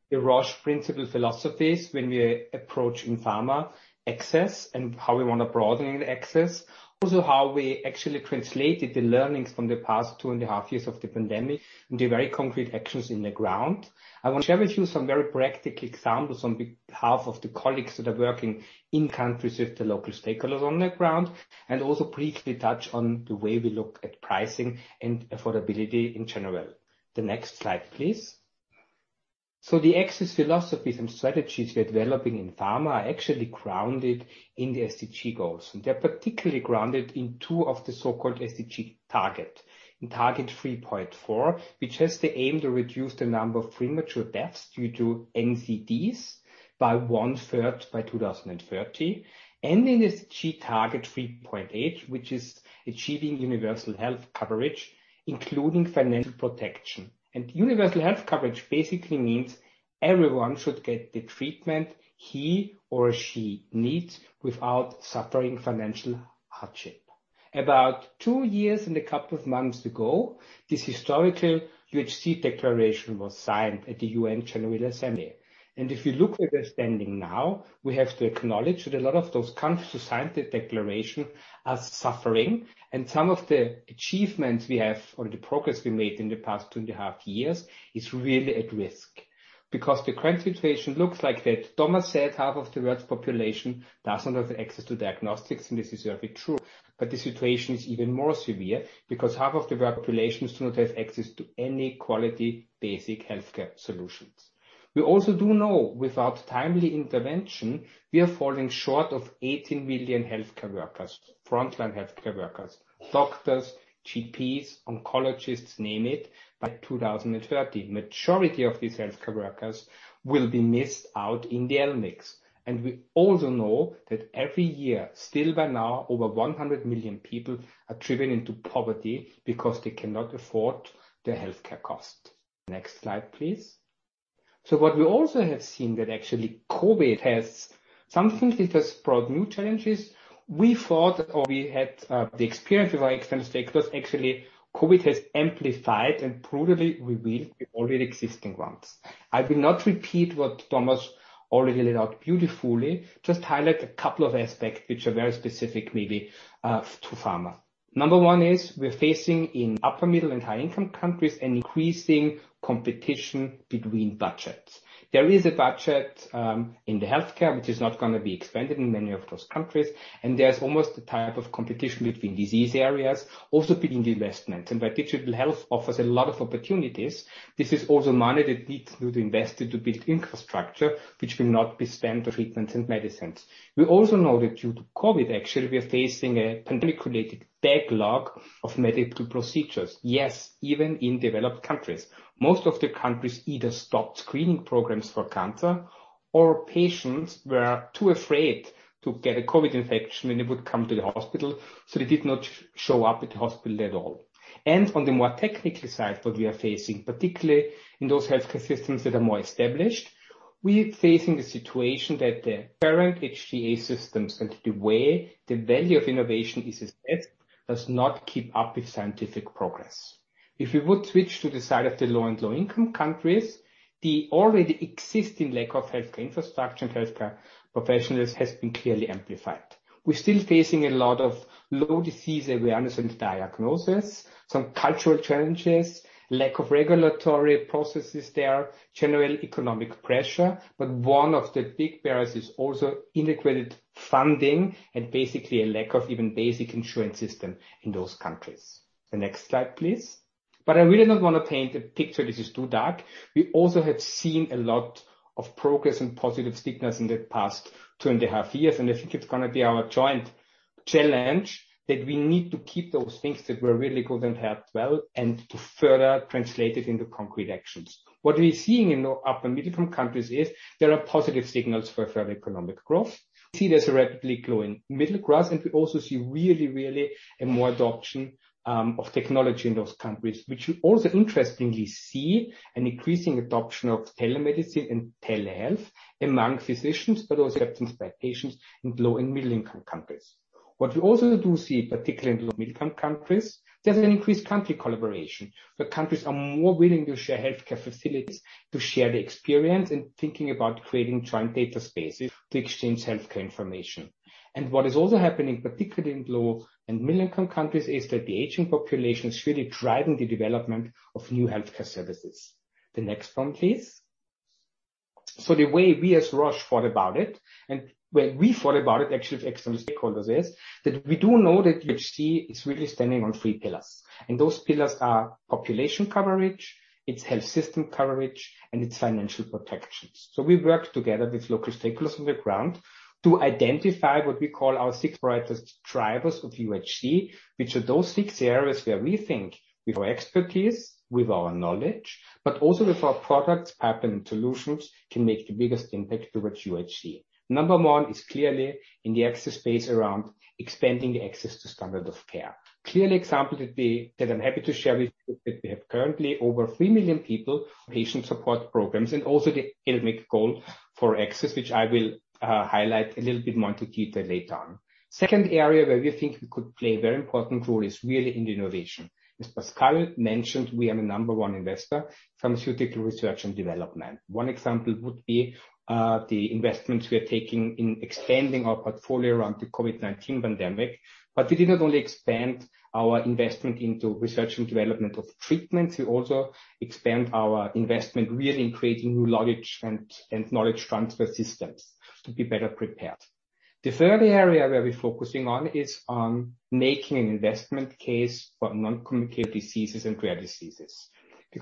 the Roche's principal philosophies when we approach in pharma access and how we want to broaden the access. Also, how we actually translated the learnings from the past 2.5 years of the pandemic into very concrete actions on the ground. I want to share with you some very practical examples on behalf of the colleagues that are working in countries with the local stakeholders on the ground, and also briefly touch on the way we look at pricing and affordability in general. The next slide, please. The access philosophies and strategies we are developing in pharma are actually grounded in the SDG goals, and they're particularly grounded in two of the so-called SDG target. In target 3.4, which has the aim to reduce the number of premature deaths due to NCDs by one-third by 2030. In SDG target 3.8, which is achieving universal health coverage, including financial protection. Universal health coverage basically means everyone should get the treatment he or she needs without suffering financial hardship. About two years and a couple of months ago, this historical UHC declaration was signed at the UN General Assembly. If you look where we're standing now, we have to acknowledge that a lot of those countries who signed the declaration are suffering, and some of the achievements we have or the progress we made in the past 2.5 years is really at risk. Because the current situation looks like that Thomas said, half of the world's population doesn't have access to diagnostics, and this is perfectly true. But the situation is even more severe because half of the world's population do not have access to any quality basic healthcare solutions. We also do know without timely intervention, we are falling short of 18 million healthcare workers, frontline healthcare workers, doctors, GPs, oncologists, name it, by 2030. Majority of these healthcare workers will be missed out in the LMICs. We also know that every year, still by now, over 100 million people are driven into poverty because they cannot afford the healthcare cost. Next slide, please. What we also have seen that actually COVID has brought new challenges, we thought or we had the experience with our external stakeholders, actually COVID has amplified and probably revealed the already existing ones. I will not repeat what Thomas already laid out beautifully, just highlight a couple of aspects which are very specific maybe to pharma. Number one is we're facing in upper middle and high income countries an increasing competition between budgets. There is a budget in the healthcare which is not gonna be expanded in many of those countries, and there's almost a type of competition between disease areas also bidding the investments. While digital health offers a lot of opportunities, this is also money that needs to be invested to build infrastructure which will not be spent on treatments and medicines. We also know that due to COVID, actually we are facing a pandemic-related backlog of medical procedures. Yes, even in developed countries. Most of the countries either stopped screening programs for cancer or patients were too afraid to get a COVID infection when they would come to the hospital, so they did not show up at the hospital at all. On the more technical side, what we are facing, particularly in those healthcare systems that are more established, we are facing a situation that the current HTA systems and the way the value of innovation is assessed does not keep up with scientific progress. If we would switch to the side of the low- and middle-income countries, the already existing lack of healthcare infrastructure and healthcare professionals has been clearly amplified. We're still facing a lot of low disease awareness and diagnosis, some cultural challenges, lack of regulatory processes there, general economic pressure, but one of the big barriers is also inadequate funding and basically a lack of even basic insurance system in those countries. The next slide, please. I really don't wanna paint a picture which is too dark. We also have seen a lot of progress and positive signals in the past 2.5 years, and I think it's gonna be our joint challenge that we need to keep those things that were really good and helped well and to further translate it into concrete actions. What we're seeing in the upper middle-income countries is there are positive signals for further economic growth. See there's a rapidly growing middle class, and we also see really a more adoption of technology in those countries, which we also interestingly see an increasing adoption of telemedicine and telehealth among physicians, but also acceptance by patients in low- and middle-income countries. What we also do see, particularly in low- and middle-income countries, there's an increased country collaboration, where countries are more willing to share healthcare facilities to share the experience and thinking about creating joint data spaces to exchange healthcare information. What is also happening, particularly in low- and middle-income countries, is that the aging population is really driving the development of new healthcare services. The next one, please. The way we as Roche thought about it, and when we thought about it actually with external stakeholders is, that we do know that UHC is really standing on three pillars. Those pillars are population coverage, it's health system coverage, and it's financial protections. We work together with local stakeholders on the ground to identify what we call our six brightest drivers of UHC, which are those six areas where we think with our expertise, with our knowledge, but also with our products, partner, and solutions, can make the biggest impact towards UHC. Number one is clearly in the access space around expanding the access to standard of care. Clear example that we... That I'm happy to share with you is that we have currently over 3 million people on patient support programs and also the academic goal for access which I will highlight a little bit more to Kita later on. Second area where we think we could play a very important role is really in the innovation. As Pascale mentioned, we are the number one investor pharmaceutical research and development. One example would be the investments we are taking in expanding our portfolio around the COVID-19 pandemic, but we did not only expand our investment into research and development of treatments, we also expand our investment really in creating new knowledge and knowledge transfer systems to be better prepared. The third area where we're focusing on is on making an investment case for non-communicable diseases and rare diseases.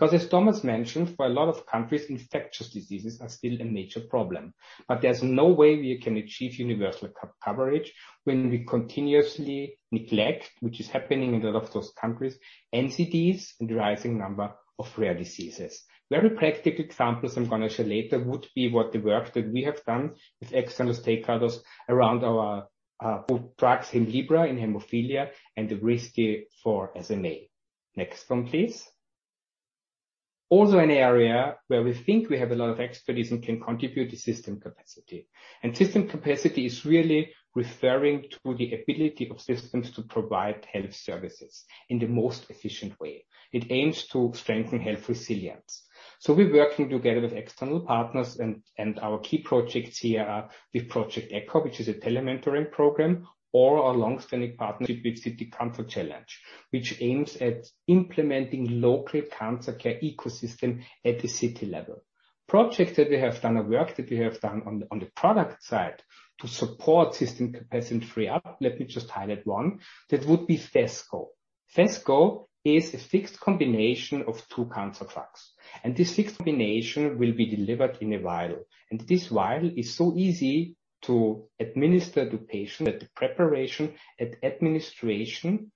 As Thomas mentioned, for a lot of countries, infectious diseases are still a major problem. There's no way we can achieve universal coverage when we continuously neglect, which is happening in a lot of those countries, NCDs and the rising number of rare diseases. Very practical examples I'm gonna share later would be what the work that we have done with external stakeholders around our both drugs Hemlibra in hemophilia and Evrysdi for SMA. Next one, please. Also an area where we think we have a lot of expertise and can contribute is system capacity. System capacity is really referring to the ability of systems to provide health services in the most efficient way. It aims to strengthen health resilience. We're working together with external partners and our key projects here are with Project ECHO, which is a telementoring program, or our long-standing partnership with City Cancer Challenge, which aims at implementing local cancer care ecosystem at the city level. Projects that we have done or work that we have done on the product side to support system capacity and free up, let me just highlight one, that would be Phesgo. Phesgo is a fixed combination of two cancer drugs, and this fixed combination will be delivered in a vial. This vial is so easy to administer to patients that the preparation and administration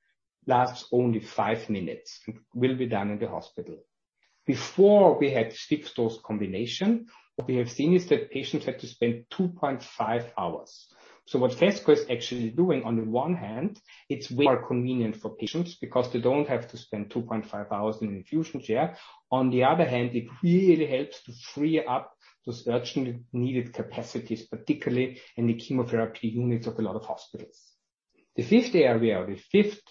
lasts only five minutes and will be done in the hospital. Before we had the fixed-dose combination, what we have seen is that patients had to spend 2.5 hours. What Phesgo is actually doing on the one hand, it's very convenient for patients because they don't have to spend 2.5 hours in an infusion chair. On the other hand, it really helps to free up those urgently needed capacities, particularly in the chemotherapy units of a lot of hospitals. The fifth area or the fifth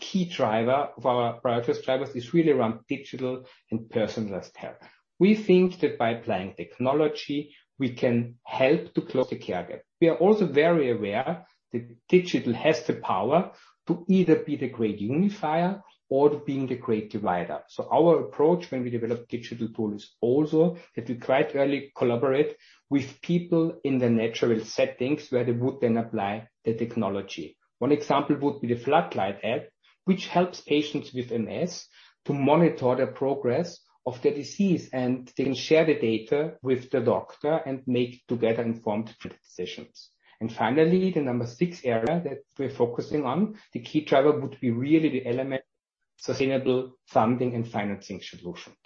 key driver of our progress drivers is really around digital and personalized care. We think that by applying technology, we can help to close the care gap. We are also very aware that digital has the power to either be the great unifier or being the great divider. Our approach when we develop digital tools also that we quite early collaborate with people in the natural settings where they would then apply the technology. One example would be the Floodlight app, which helps patients with MS to monitor the progress of their disease, and they can share the data with the doctor and make together informed treatment decisions. Finally, the number six area that we're focusing on, the key driver would be really the element sustainable funding and financing solutions.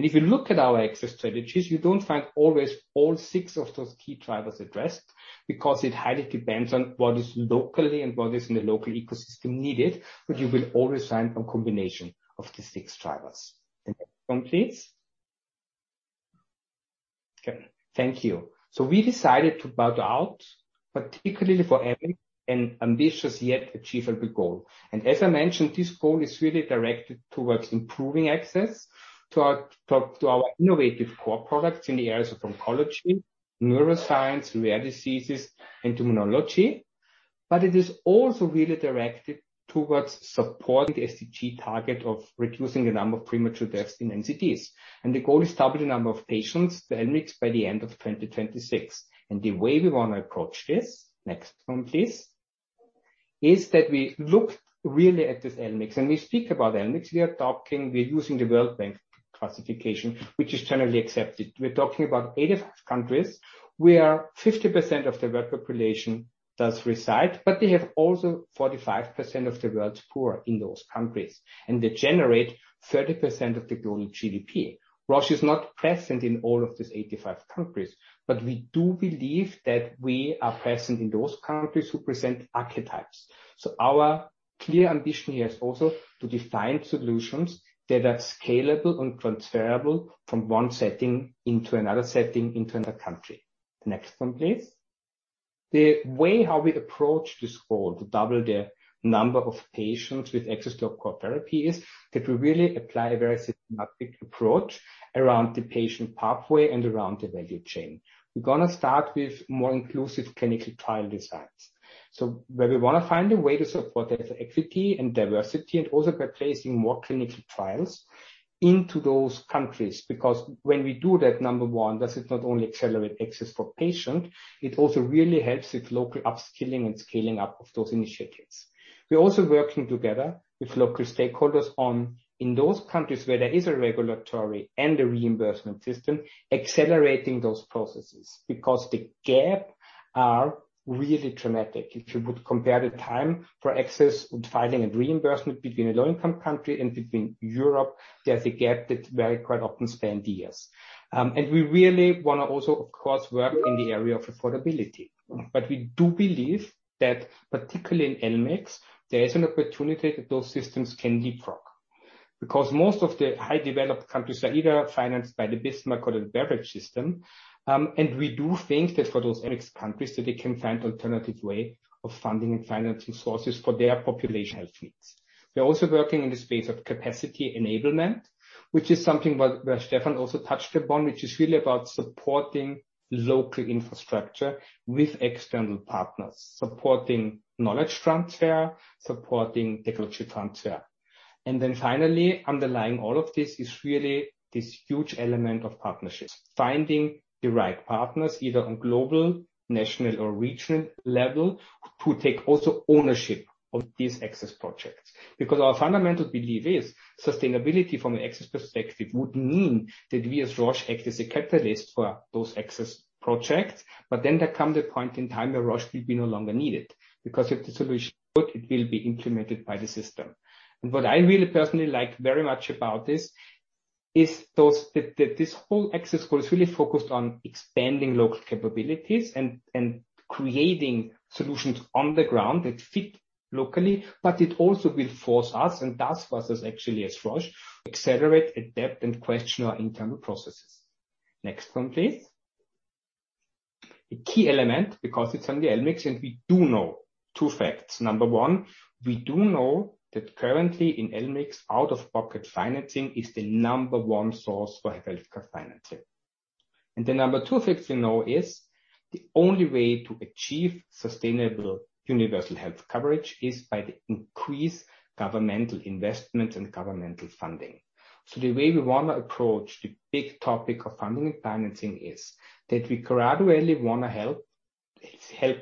If you look at our access strategies, you don't always find all six of those key drivers addressed because it highly depends on what is needed locally and what is in the local ecosystem. You will always find a combination of the six drivers. Next one, please. Okay, thank you. We decided to build out, particularly for every, an ambitious yet achievable goal. As I mentioned, this goal is really directed towards improving access to our innovative core products in the areas of oncology, neuroscience, rare diseases and immunology. It is also really directed towards supporting the SDG target of reducing the number of premature deaths in NCDs. The goal is to double the number of patients in the LMICs by the end of 2026. The way we want to approach this is that we look really at these LMICs. When we speak about LMICs, we're using the World Bank classification, which is generally accepted. We're talking about 85 countries where 50% of the world population does reside, but they have also 45% of the world's poor in those countries, and they generate 30% of the global GDP. Roche is not present in all of these 85 countries, but we do believe that we are present in those countries who present archetypes. Our clear ambition here is also to define solutions that are scalable and transferable from one setting into another setting, into another country. The next one, please. The way how we approach this goal to double the number of patients with access to our core therapy is that we really apply a very systematic approach around the patient pathway and around the value chain. We're going to start with more inclusive clinical trial designs. Where we want to find a way to support health equity and diversity, and also by placing more clinical trials into those countries. Because when we do that, number one, does it not only accelerate access for patient, it also really helps with local upskilling and scaling up of those initiatives. We're also working together with local stakeholders on in those countries where there is a regulatory and a reimbursement system, accelerating those processes because the gap are really dramatic. If you would compare the time for access and filing and reimbursement between a low-income country and between Europe, there's a gap that very quite often span years. And we really wanna also, of course, work in the area of affordability. We do believe that particularly in LMICs, there is an opportunity that those systems can leapfrog. Because most of the highly developed countries are either financed by the Bismarck model or the Beveridge model, and we do think that for those LMICs countries, that they can find alternative way of funding and financing sources for their population health needs. We're also working in the space of capacity enablement, which is something where Stefan also touched upon, which is really about supporting local infrastructure with external partners, supporting knowledge transfer, supporting technology transfer. Finally, underlying all of this is really this huge element of partnerships. Finding the right partners, either on global, national or regional level, who take also ownership of these access projects. Because our fundamental belief is sustainability from an access perspective would mean that we as Roche act as a catalyst for those access projects. there come the point in time where Roche will be no longer needed because if the solution work, it will be implemented by the system. What I really personally like very much about this is that this whole access goal is really focused on expanding local capabilities and creating solutions on the ground that fit locally, but it also will force us and does force us actually as Roche accelerate, adapt, and question our internal processes. Next one, please. A key element because it's on the LMICs, and we do know two facts. Number one, we do know that currently in LMICs, out-of-pocket financing is the number one source for healthcare financing. The number two facts we know is the only way to achieve sustainable universal health coverage is by the increased governmental investment and governmental funding. The way we want to approach the big topic of funding and financing is that we gradually want to help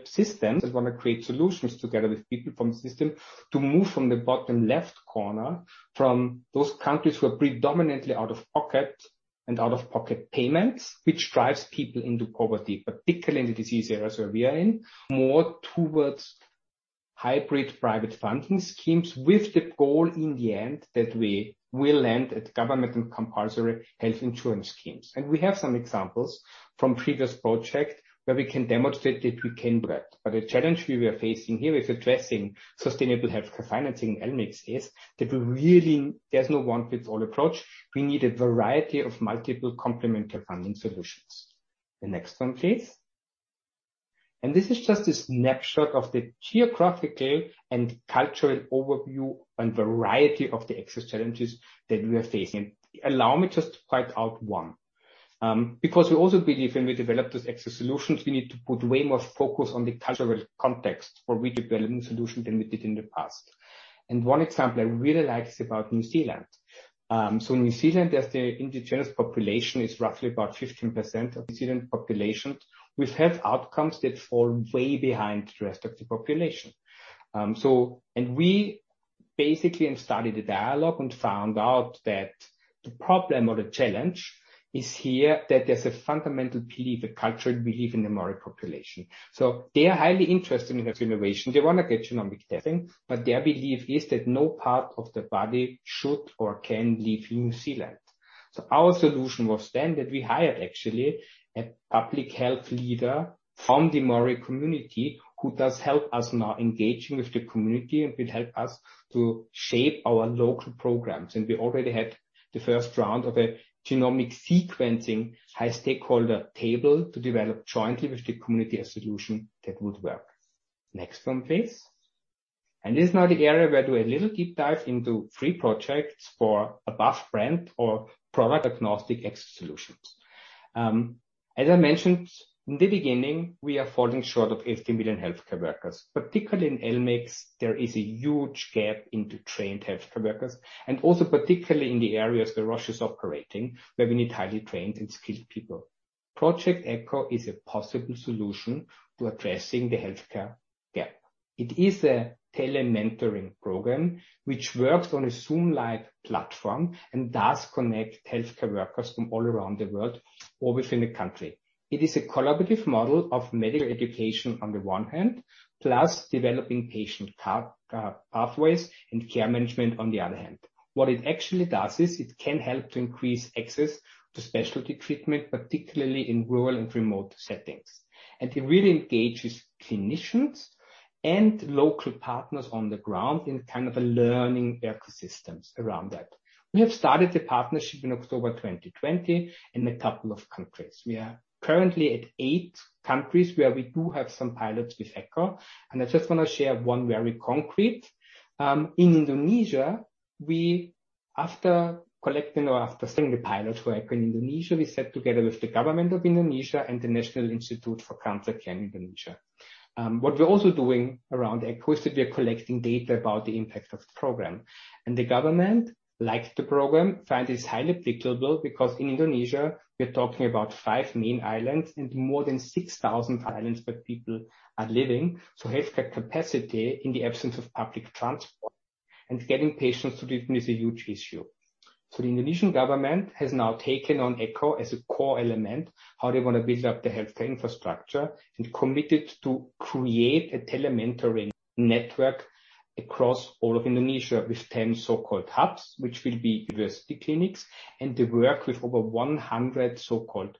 systems and want to create solutions together with people from system to move from the bottom left corner from those countries who are predominantly out of pocket and out-of-pocket payments, which drives people into poverty, particularly in the disease areas where we are in, more towards hybrid private funding schemes with the goal in the end that we will end at government and compulsory health insurance schemes. We have some examples from previous project where we can demonstrate that we can do that. The challenge we are facing here with addressing sustainable healthcare financing elements is that we really there's no one-size-fits-all approach. We need a variety of multiple complementary funding solutions. The next one, please. This is just a snapshot of the geographical and cultural overview and variety of the access challenges that we are facing. Allow me just to point out one. Because we also believe when we develop those access solutions, we need to put way more focus on the cultural context for redeveloping solutions than we did in the past. One example I really like is about New Zealand. In New Zealand, there's the indigenous population is roughly about 15% of New Zealand population with health outcomes that fall way behind the rest of the population. We basically have started a dialogue and found out that the problem or the challenge is here, that there's a fundamental belief, a cultural belief in the Māori population. They are highly interested in health innovation. They wanna get genomic testing, but their belief is that no part of the body should or can leave New Zealand. Our solution was then that we hired actually a public health leader from the Māori community who does help us now engaging with the community and will help us to shape our local programs. We already had the first round of a genomic sequencing high stakeholder table to develop jointly with the community a solution that would work. Next one, please. This is now the area where we do a little deep dive into three projects for above-brand or product-agnostic access solutions. As I mentioned in the beginning, we are falling short of 80 million healthcare workers. Particularly in LMICs, there is a huge gap in the trained healthcare workers, and also particularly in the areas where Roche is operating, where we need highly trained and skilled people. Project ECHO is a possible solution to addressing the healthcare gap. It is a telementoring program which works on a Zoom-like platform and does connect healthcare workers from all around the world or within the country. It is a collaborative model of medical education on the one hand, plus developing patient pathways and care management on the other hand. What it actually does is it can help to increase access to specialty treatment, particularly in rural and remote settings. It really engages clinicians and local partners on the ground in kind of a learning ecosystems around that. We have started the partnership in October 2020 in a couple of countries. We are currently at eight countries where we do have some pilots with Echo, and I just wanna share one very concrete. In Indonesia, after setting the pilot for Echo in Indonesia, we sat together with the government of Indonesia and the Dharmais National Cancer Center. What we're also doing around Echo is that we are collecting data about the impact of the program. The government likes the program, find this highly applicable because in Indonesia, we're talking about five main islands and more than 6,000 islands where people are living. Healthcare capacity in the absence of public transport and getting patients to treatment is a huge issue. The Indonesian government has now taken on Project ECHO as a core element, how they want to build up the healthcare infrastructure and committed to create a tele-mentoring network across all of Indonesia with 10 so-called hubs, which will be university clinics, and to work with over 100 so-called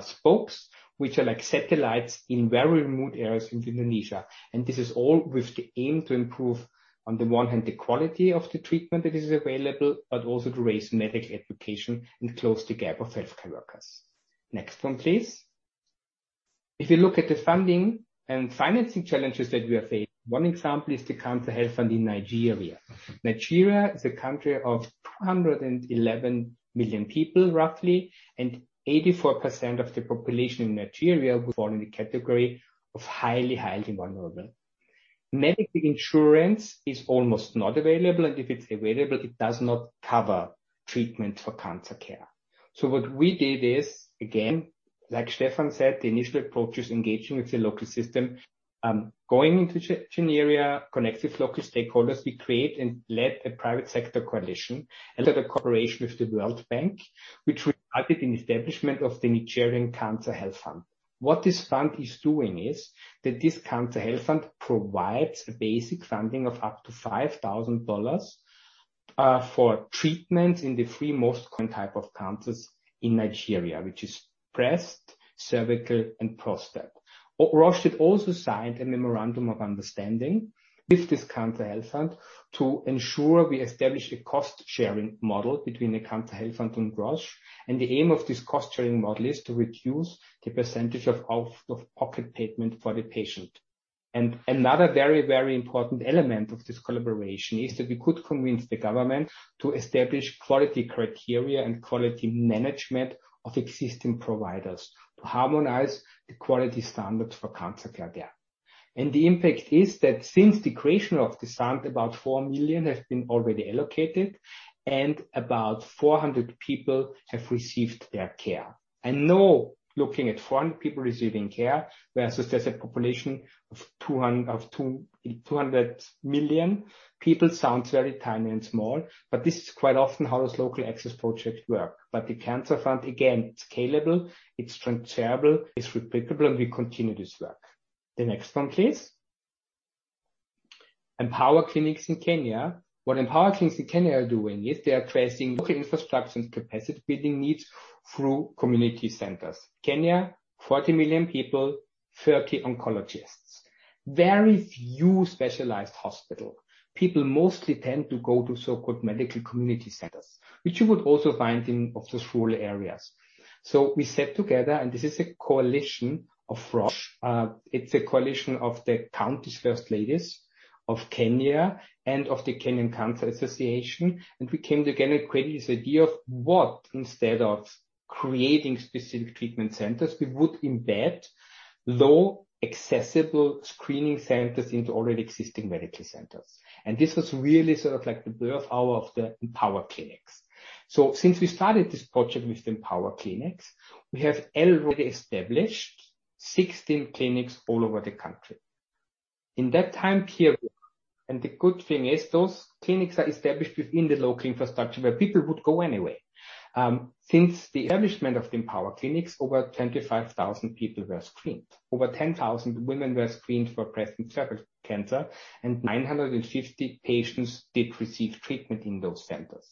spokes, which are like satellites in very remote areas in Indonesia. This is all with the aim to improve on the one hand the quality of the treatment that is available, but also to raise medical education and close the gap of healthcare workers. Next one, please. If you look at the funding and financing challenges that we are facing, one example is the Cancer Health Fund in Nigeria. Nigeria is a country of 211 million people roughly, and 84% of the population in Nigeria fall in the category of highly vulnerable. Medical insurance is almost not available, and if it's available it does not cover treatment for cancer care. What we did is, again, like Stefan said, the initial approach is engaging with the local system. Going into Nigeria, connect with local stakeholders. We create and led a private sector coalition under the cooperation with the World Bank, which resulted in establishment of the Nigerian Cancer Health Fund. What this fund is doing is that this Cancer Health Fund provides a basic funding of up to $5,000 for treatment in the three most common type of cancers in Nigeria, which is breast, cervical, and prostate. Roche had also signed a memorandum of understanding with this Cancer Health Fund to ensure we establish a cost-sharing model between the Cancer Health Fund and Roche. The aim of this cost-sharing model is to reduce the percentage of out-of-pocket payment for the patient. Another very, very important element of this collaboration is that we could convince the government to establish quality criteria and quality management of existing providers to harmonize the quality standards for cancer care there. The impact is that since the creation of this fund about 4 million have been already allocated, and about 400 people have received their care. I know looking at 400 people receiving care versus there's a population of 200 million people sounds very tiny and small, but this is quite often how those local access projects work. The cancer fund, again, it's scalable, it's transferable, it's replicable, and we continue this work. The next one, please. Empower Clinics in Kenya. What Empower Clinics in Kenya are doing is they are tracing local infrastructure and capacity building needs through community centers. Kenya, 40 million people, 30 oncologists. Very few specialized hospital. People mostly tend to go to so-called medical community centers, which you would also find in other rural areas. We sat together, and this is a coalition of Roche. It's a coalition of the county's first ladies of Kenya and of the Kenya Cancer Association. We came together and created this idea of what, instead of creating specific treatment centers, we would embed low accessible screening centers into already existing medical centers. This was really sort of like the birth hour of the Empower Clinics. Since we started this project with Empower Clinics, we have already established 16 clinics all over the country. In that time period, the good thing is those clinics are established within the local infrastructure where people would go anyway. Since the establishment of the Empower Clinics, over 25,000 people were screened. Over 10,000 women were screened for breast and cervical cancer, and 950 patients did receive treatment in those centers.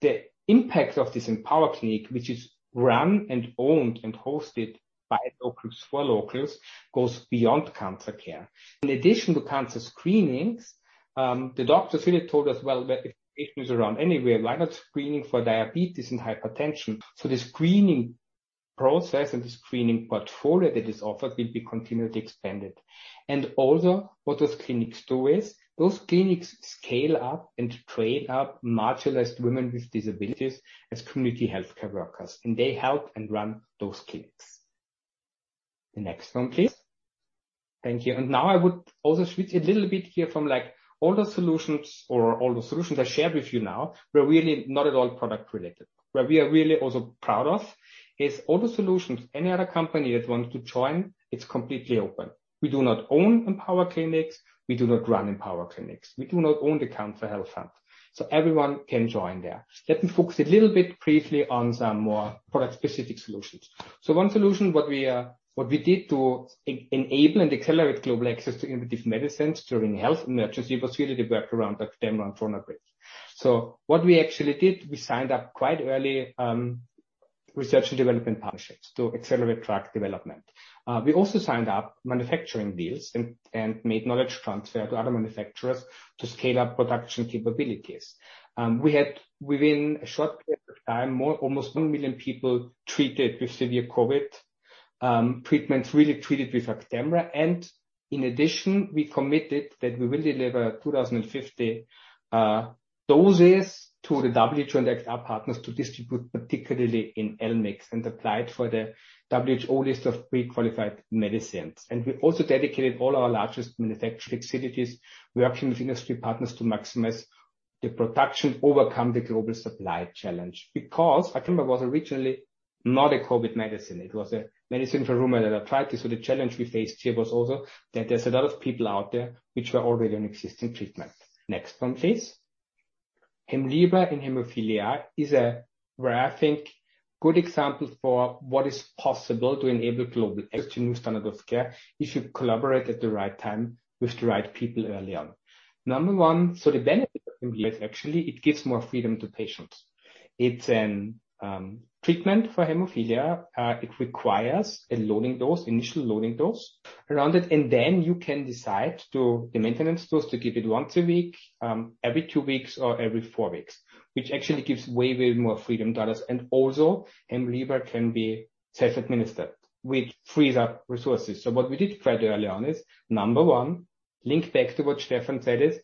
The impact of this Empower Clinic, which is run and owned and hosted by locals for locals, goes beyond cancer care. In addition to cancer screenings, the doctor really told us, "Well, if the patient is around anywhere, why not screening for diabetes and hypertension?" The screening process and the screening portfolio that is offered will be continually expanded. What those clinics do is, those clinics scale up and train up marginalized women with disabilities as community healthcare workers, and they help and run those clinics. The next one, please. Thank you. Now I would also switch a little bit here from like all the solutions I shared with you now, were really not at all product related. Where we are really also proud of is all the solutions, any other company that wants to join, it's completely open. We do not own Empower Clinics. We do not run Empower Clinics. We do not own the Cancer Health Fund. Everyone can join there. Let me focus a little bit briefly on some more product-specific solutions. One solution, what we did to enable and accelerate global access to innovative medicines during health emergency was really worked around Actemra and Ronapreve. What we actually did, we signed up quite early, research and development partnerships to accelerate drug development. We also signed up manufacturing deals and made knowledge transfer to other manufacturers to scale up production capabilities. We had within a short period of time, more almost 1 million people treated with severe COVID treatments really treated with Actemra. In addition, we committed that we will deliver 2,050 doses to the WHO and XR partners to distribute, particularly in LMICs, and applied for the WHO list of pre-qualified medicines. We also dedicated all our largest manufacturing facilities, working with industry partners to maximize the production, overcome the global supply challenge because Actemra was originally not a COVID medicine. It was a medicine for rheumatoid arthritis. The challenge we faced here was also that there's a lot of people out there which were already on existing treatment. Next one, please. Hemlibra in hemophilia is a good example for what is possible to enable global access to new standard of care if you collaborate at the right time with the right people early on. Number one, the benefit of Hemlibra is actually it gives more freedom to patients. It's an treatment for hemophilia. It requires a loading dose, initial loading dose around it, and then you can decide to the maintenance dose to give it once a week, every two weeks or every four weeks, which actually gives way more freedom to others. Hemlibra can be self-administered, which frees up resources. What we did fairly early on is number one, link back to what Stefan said is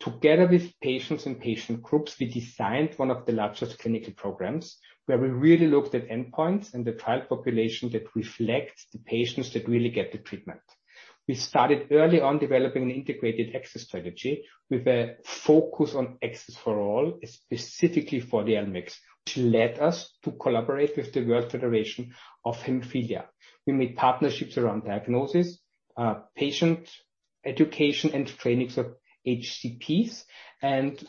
together with patients and patient groups, we designed one of the largest clinical programs where we really looked at endpoints and the trial population that reflects the patients that really get the treatment. We started early on developing an integrated access strategy with a focus on access for all, specifically for the LMICs, which led us to collaborate with the World Federation of Hemophilia. We made partnerships around diagnosis, patient education and training of HCPs, and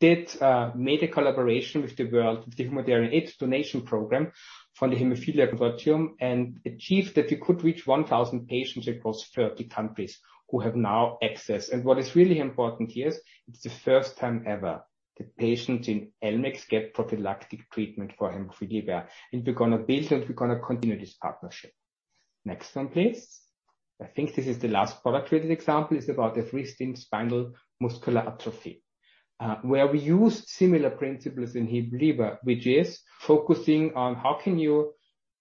that made a collaboration with the World Federation of Hemophilia Humanitarian Aid Program, and achieved that we could reach 1,000 patients across 30 countries who have now access. What is really important here is it's the first time ever that patients in LMICs get prophylactic treatment for hemophilia. We're going to build, and we're going to continue this partnership. Next one, please. I think this is the last product-related example. It's about the Evrysdi spinal muscular atrophy, where we used similar principles in Hemlibra, which is focusing on how can you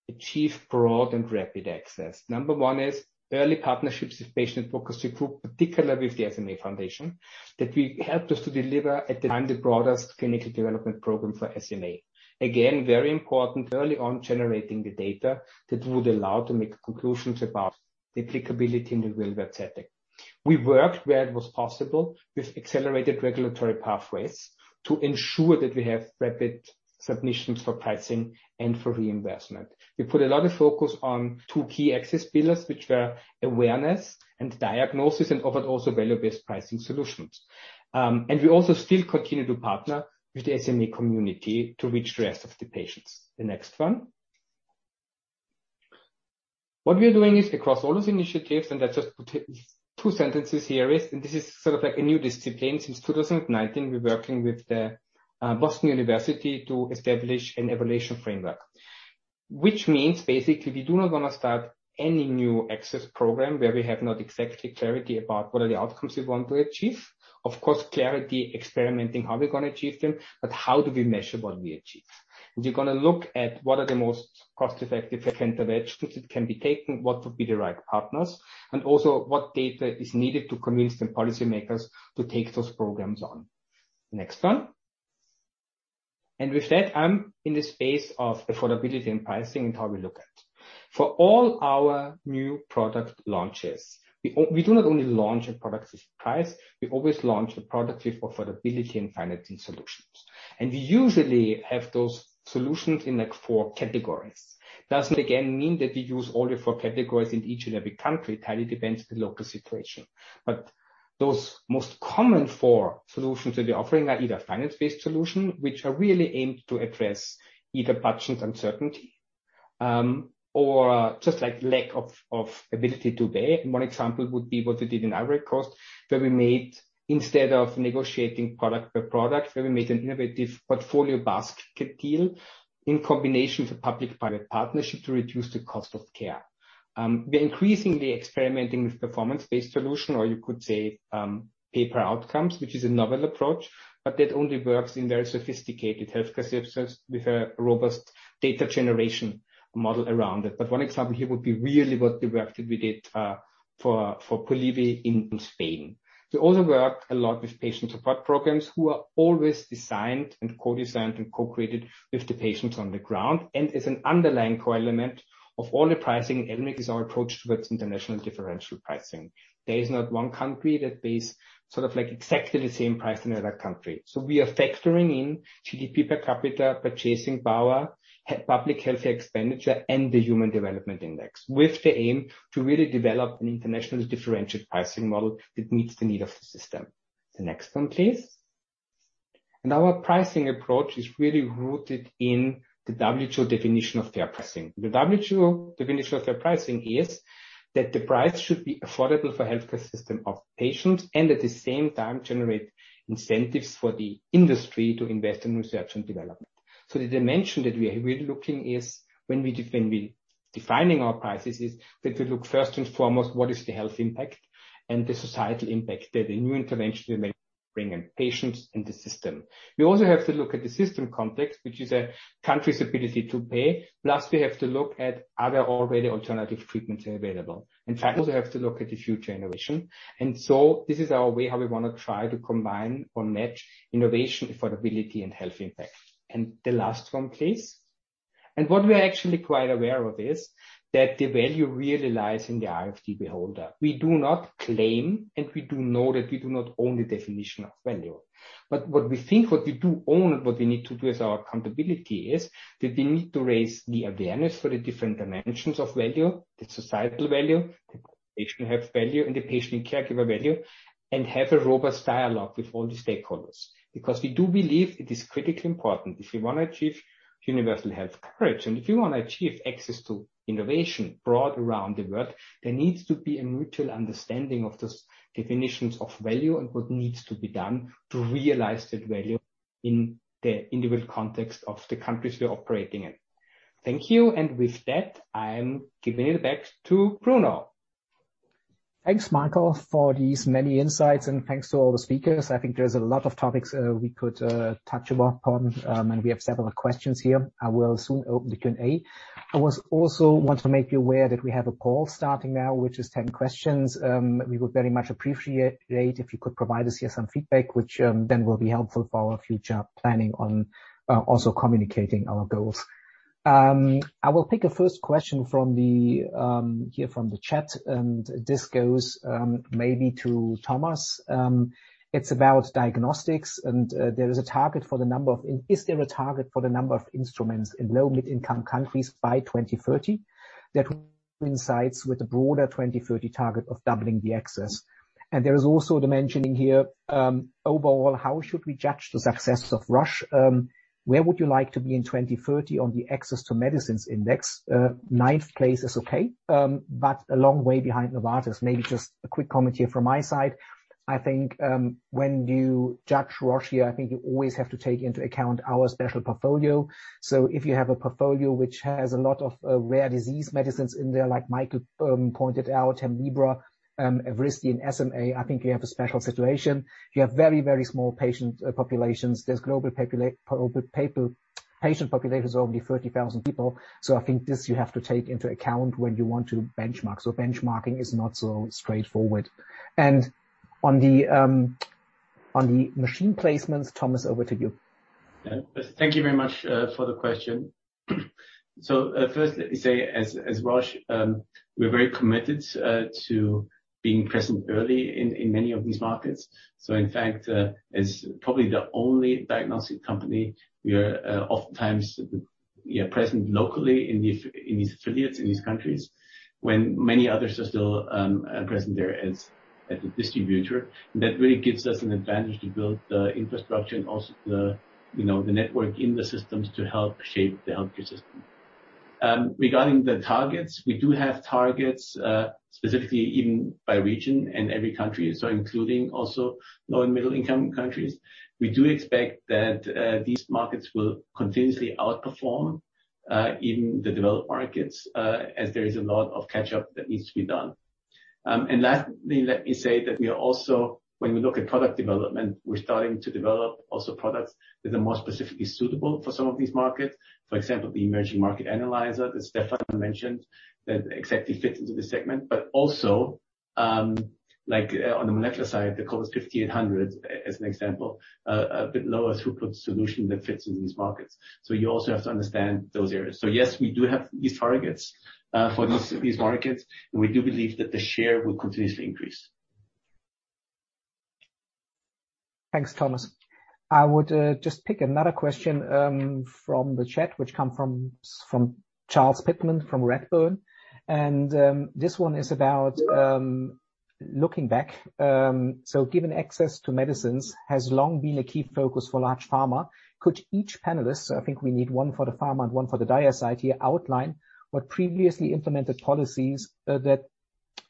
achieve broad and rapid access. Number one is early partnerships with patient focused group, particularly with the SMA Foundation, that helped us to deliver at the time the broadest clinical development program for SMA. Again, very important early on generating the data that would allow to make conclusions about the applicability in the real world setting. We worked where it was possible with accelerated regulatory pathways to ensure that we have rapid submissions for pricing and for reimbursement. We put a lot of focus on two key access pillars, which were awareness and diagnosis, and offered also value-based pricing solutions. We also still continue to partner with the SMA community to reach the rest of the patients. The next one. What we are doing is across all those initiatives, and that's just two instances, and this is sort of a new discipline. Since 2019, we're working with the Boston University to establish an evaluation framework. Which means basically, we do not want to start any new access program where we have not exactly clarity about what are the outcomes we want to achieve. Of course, experimenting how we're going to achieve them, but how do we measure what we achieve? We're going to look at what are the most cost-effective interventions that can be taken, what would be the right partners, and also what data is needed to convince the policymakers to take those programs on. Next one. With that, I'm in the space of affordability and pricing and how we look at. For all our new product launches, we do not only launch a product with price, we always launch a product with affordability and financing solutions. We usually have those solutions in, like, four categories. Doesn't again mean that we use all the four categories in each and every country. It highly depends on the local situation. Those most common four solutions that we're offering are either finance-based solution, which are really aimed to address either budget uncertainty, or just, like, lack of ability to pay. One example would be what we did in Ivory Coast, where, instead of negotiating product per product, we made an innovative portfolio basket deal in combination with a public-private partnership to reduce the cost of care. We're increasingly experimenting with performance-based solution, or you could say, pay per outcomes, which is a novel approach, but that only works in very sophisticated healthcare systems with a robust data generation model around it. But one example here would be really what the work that we did for Polivy in Spain. We also work a lot with patient support programs who are always designed and co-designed and co-created with the patients on the ground. As an underlying core element of all the pricing element is our approach towards international differential pricing. There is not one country that pays sort of like exactly the same price in another country. We are factoring in GDP per capita, purchasing power, public health expenditure, and the human development index, with the aim to really develop an internationally differentiated pricing model that meets the need of the system. The next one, please. Our pricing approach is really rooted in the WHO definition of fair pricing. The WHO definition of fair pricing is that the price should be affordable for healthcare system of patients and at the same time generate incentives for the industry to invest in research and development. The dimension that we are really looking is when we're defining our prices is that we look first and foremost what is the health impact and the societal impact that a new intervention may bring in patients in the system. We also have to look at the system context, which is a country's ability to pay. Plus, we have to look at are there already alternative treatments available. In fact, we have to look at the future innovation. This is our way how we want to try to combine or match innovation, affordability, and health impact. The last one, please. What we are actually quite aware of is that the value really lies in the eye of the beholder. We do not claim, and we do know that we do not own the definition of value. What we think, what we do own, and what we need to do with our accountability is that we need to raise the awareness for the different dimensions of value, the societal value, the patient health value, and the patient and caregiver value, and have a robust dialogue with all the stakeholders. Because we do believe it is critically important. If you want to achieve universal health coverage, and if you want to achieve access to innovation broad around the world, there needs to be a mutual understanding of those definitions of value and what needs to be done to realize that value in the individual context of the countries we're operating in. Thank you. With that, I'm giving it back to Bruno. Thanks, Michael, for these many insights, and thanks to all the speakers. I think there's a lot of topics we could touch upon, and we have several questions here. I will soon open the Q&A. I also want to make you aware that we have a poll starting now, which is 10 questions. We would very much appreciate if you could provide us here some feedback which then will be helpful for our future planning on also communicating our goals. I will pick a first question from here from the chat, and this goes maybe to Thomas. It's about diagnostics, and is there a target for the number of instruments in low-mid income countries by 2030 that coincides with the broader 2030 target of doubling the access? There is also the mentioning here, overall, how should we judge the success of Roche? Where would you like to be in 2030 on the Access to Medicine Index? Ninth place is okay, but a long way behind Novartis. Maybe just a quick comment here from my side. I think, when you judge Roche here, I think you always have to take into account our special portfolio. If you have a portfolio which has a lot of rare disease medicines in there, like Michael pointed out, Hemlibra, Evrysdi, and SMA, I think you have a special situation. You have very, very small patient populations. There's global patient populations of only 30,000 people. I think this you have to take into account when you want to benchmark. Benchmarking is not so straightforward. On the machine placements, Thomas, over to you. Yeah. Thank you very much for the question. First, let me say as Roche, we're very committed to being present early in many of these markets. In fact, as probably the only diagnostic company, we are oftentimes, you know, present locally in these affiliates, in these countries, when many others are still present there as a distributor. That really gives us an advantage to build the infrastructure and also the, you know, the network in the systems to help shape the healthcare system. Regarding the targets, we do have targets, specifically even by region in every country, so including also low- and middle-income countries. We do expect that, these markets will continuously outperform, even the developed markets, as there is a lot of catch up that needs to be done. Lastly, let me say that we are also, when we look at product development, we're starting to develop also products that are more specifically suitable for some of these markets. For example, the emerging markets analyzer that Stefan mentioned that exactly fits into this segment. Also, like, on the molecular side, the cobas 5800 System, as an example, a bit lower throughput solution that fits in these markets. You also have to understand those areas. Yes, we do have these targets for these markets, and we do believe that the share will continuously increase. Thanks, Thomas. I would just pick another question from the chat, which come from Charles Pitman-King from Redburn. This one is about looking back. So given access to medicines has long been a key focus for large pharma, could each panelist, I think we need one for the pharma and one for the Dia side here, outline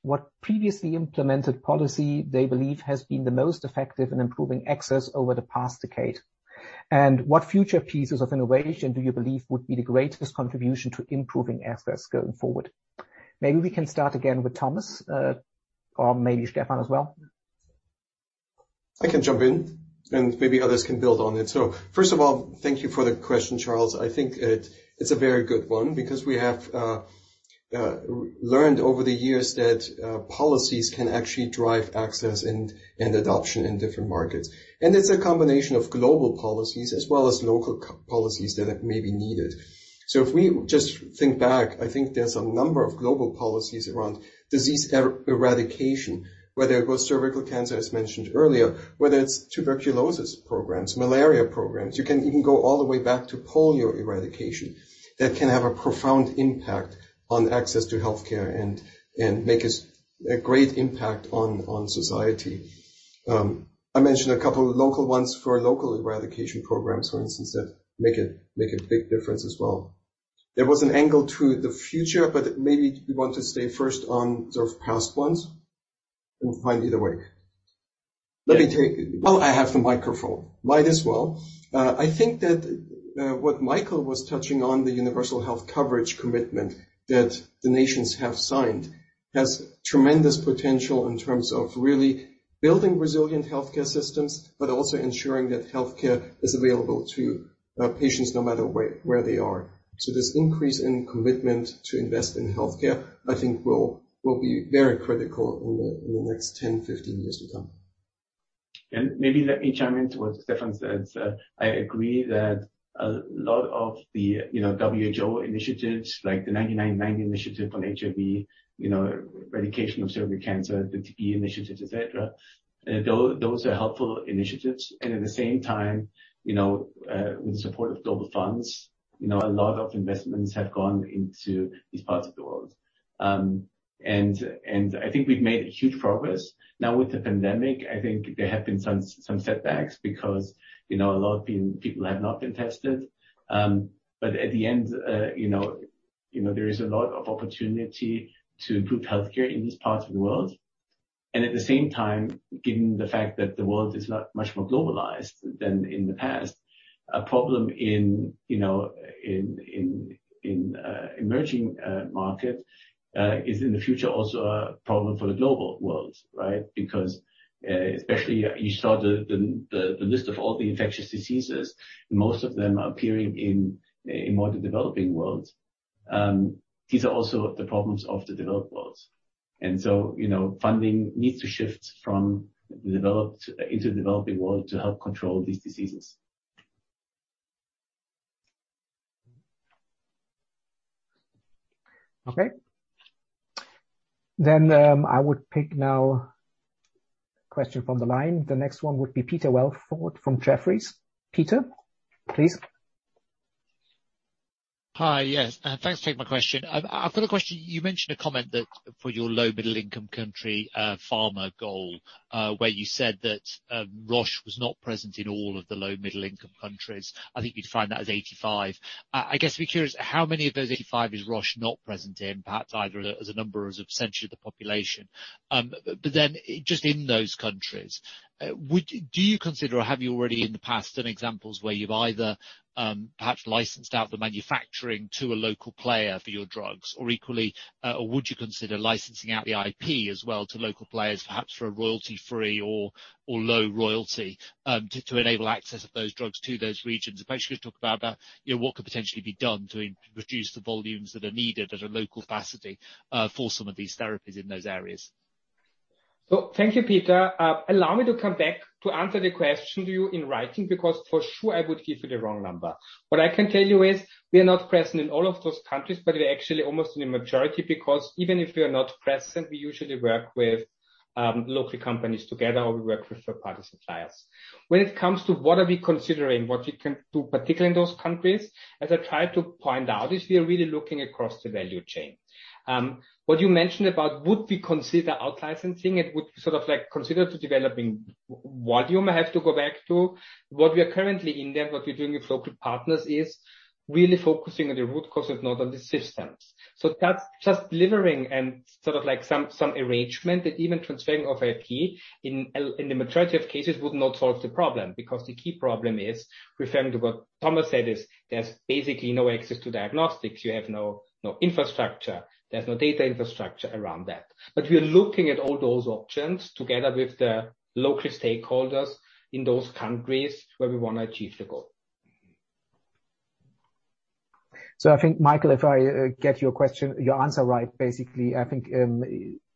what previously implemented policy they believe has been the most effective in improving access over the past decade? What future pieces of innovation do you believe would be the greatest contribution to improving access going forward? Maybe we can start again with Thomas, or maybe Stefan as well. I can jump in and maybe others can build on it. First of all, thank you for the question, Charles. I think it's a very good one because we have learned over the years that policies can actually drive access and adoption in different markets. It's a combination of global policies as well as local policies that may be needed. If we just think back, I think there's a number of global policies around disease eradication, whether it was cervical cancer, as mentioned earlier, whether it's tuberculosis programs, malaria programs. You can even go all the way back to polio eradication. That can have a profound impact on access to healthcare and make a great impact on society. I mentioned a couple of local ones for local eradication programs, for instance, that make a big difference as well. There was an angle to the future, but maybe we want to stay first on sort of past ones and find either way. Well, I have the microphone. Might as well. I think that what Michael was touching on, the universal health coverage commitment that the nations have signed, has tremendous potential in terms of really building resilient healthcare systems, but also ensuring that healthcare is available to patients no matter where they are. This increase in commitment to invest in healthcare, I think will be very critical in the next 10, 15 years to come. Maybe let me chime in to what Stefan said. I agree that a lot of the, you know, WHO initiatives, like the 90-90-90 initiative on HIV, you know, eradication of cervical cancer, the TB initiatives, et cetera, those are helpful initiatives. At the same time, you know, with support of global funds, you know, a lot of investments have gone into these parts of the world. I think we've made huge progress. Now, with the pandemic, I think there have been some setbacks because, you know, a lot of people have not been tested. At the end, you know, there is a lot of opportunity to improve healthcare in this part of the world. At the same time, given the fact that the world is lot Much more globalized than in the past, a problem in, you know, emerging market is in the future also a problem for the global world, right? Because, especially you saw the list of all the infectious diseases, most of them appearing in the developing world. These are also the problems of the developed world. You know, funding needs to shift from the developed into the developing world to help control these diseases. Okay. I would pick now a question from the line. The next one would be Peter Welford from Jefferies. Peter, please. Hi. Yes. Thanks for taking my question. I've got a question. You mentioned a comment that for your low- and middle-income country pharma goal, where you said that Roche was not present in all of the low- and middle-income countries. I think you'd find that as 85. I guess I'd be curious, how many of those 85 is Roche not present in, perhaps either as a number or as a percentage of the population? Just in those countries, do you consider or have you already in the past done examples where you've either perhaps licensed out the manufacturing to a local player for your drugs, or equally or would you consider licensing out the IP as well to local players, perhaps for a royalty-free or low royalty to enable access of those drugs to those regions? If I could just talk about you know what could potentially be done to reduce the volumes that are needed at a local capacity for some of these therapies in those areas. Thank you, Peter. Allow me to come back to answer the question to you in writing, because for sure I would give you the wrong number. What I can tell you is we are not present in all of those countries, but we are actually almost in the majority, because even if we are not present, we usually work with local companies together, or we work with third-party suppliers. When it comes to what are we considering what we can do, particularly in those countries, as I tried to point out, is we are really looking across the value chain. What you mentioned about would we consider outsourcing it, would sort of like consider to developing volume. I have to go back to what we are currently in there. What we're doing with local partners is really focusing on the root cause and not on the systems. That's just delivering and sort of like some arrangement that even transferring of IP in the majority of cases would not solve the problem. Because the key problem is, referring to what Thomas said, is there's basically no access to diagnostics. You have no infrastructure, there's no data infrastructure around that. We are looking at all those options together with the local stakeholders in those countries where we want to achieve the goal. I think, Michael, if I get your question, your answer right, basically, I think,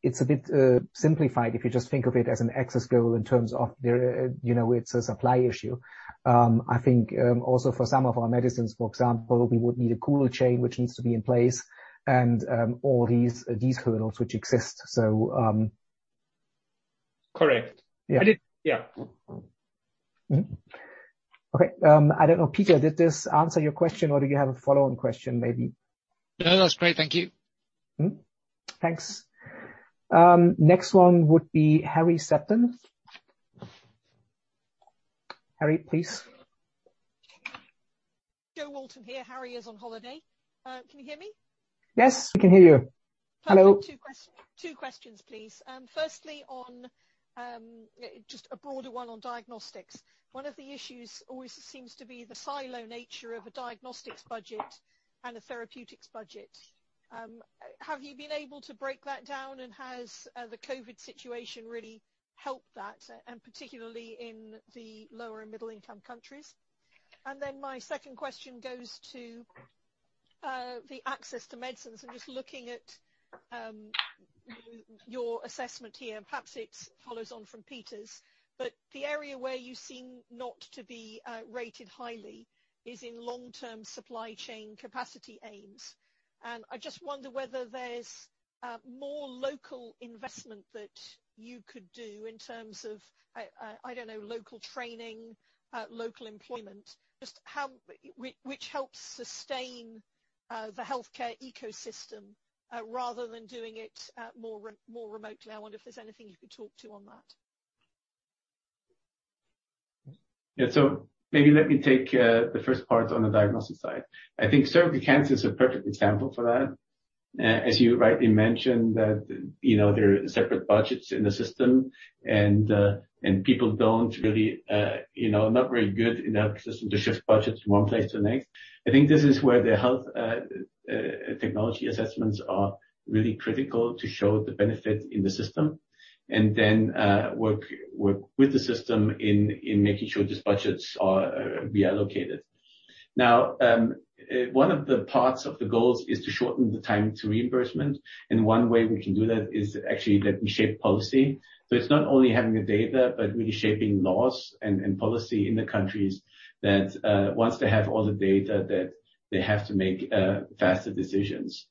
it's a bit simplified, if you just think of it as an access goal in terms of there, you know, it's a supply issue. I think, also for some of our medicines, for example, we would need a cold chain which needs to be in place and, all these hurdles which exist. Correct. Yeah. Yeah. Mm-hmm. Okay. I don't know. Peter, did this answer your question or do you have a follow-on question, maybe? No, that's great. Thank you. Mm-hmm. Thanks. Next one would be Harry Sepulveda. Harry, please. Jo Walton here. Harry is on holiday. Can you hear me? Yes, we can hear you. Hello. Two questions please. Firstly on just a broader one on diagnostics. One of the issues always seems to be the silo nature of a diagnostics budget and a therapeutics budget. Have you been able to break that down and has the COVID situation really helped that, and particularly in the low- and middle-income countries? Then my second question goes to the access to medicines and just looking at your assessment here. Perhaps it follows on from Peter's, but the area where you seem not to be rated highly is in long-term supply chain capacity aims. I just wonder whether there's more local investment that you could do in terms of, I don't know, local training, local employment, just how. Which helps sustain the healthcare ecosystem rather than doing it more remotely. I wonder if there's anything you could talk to on that. Maybe let me take the first part on the diagnosis side. I think cervical cancer is a perfect example for that. As you rightly mentioned, there are separate budgets in the system and people are not very good in that system to shift budgets from one place to the next. I think this is where the health technology assessments are really critical to show the benefit in the system and then work with the system in making sure these budgets are reallocated. Now, one of the parts of the goals is to shorten the time to reimbursement, and one way we can do that is actually that we shape policy. It's not only having the data, but really shaping laws and policy in the countries that, once they have all the data, that they have to make faster decisions.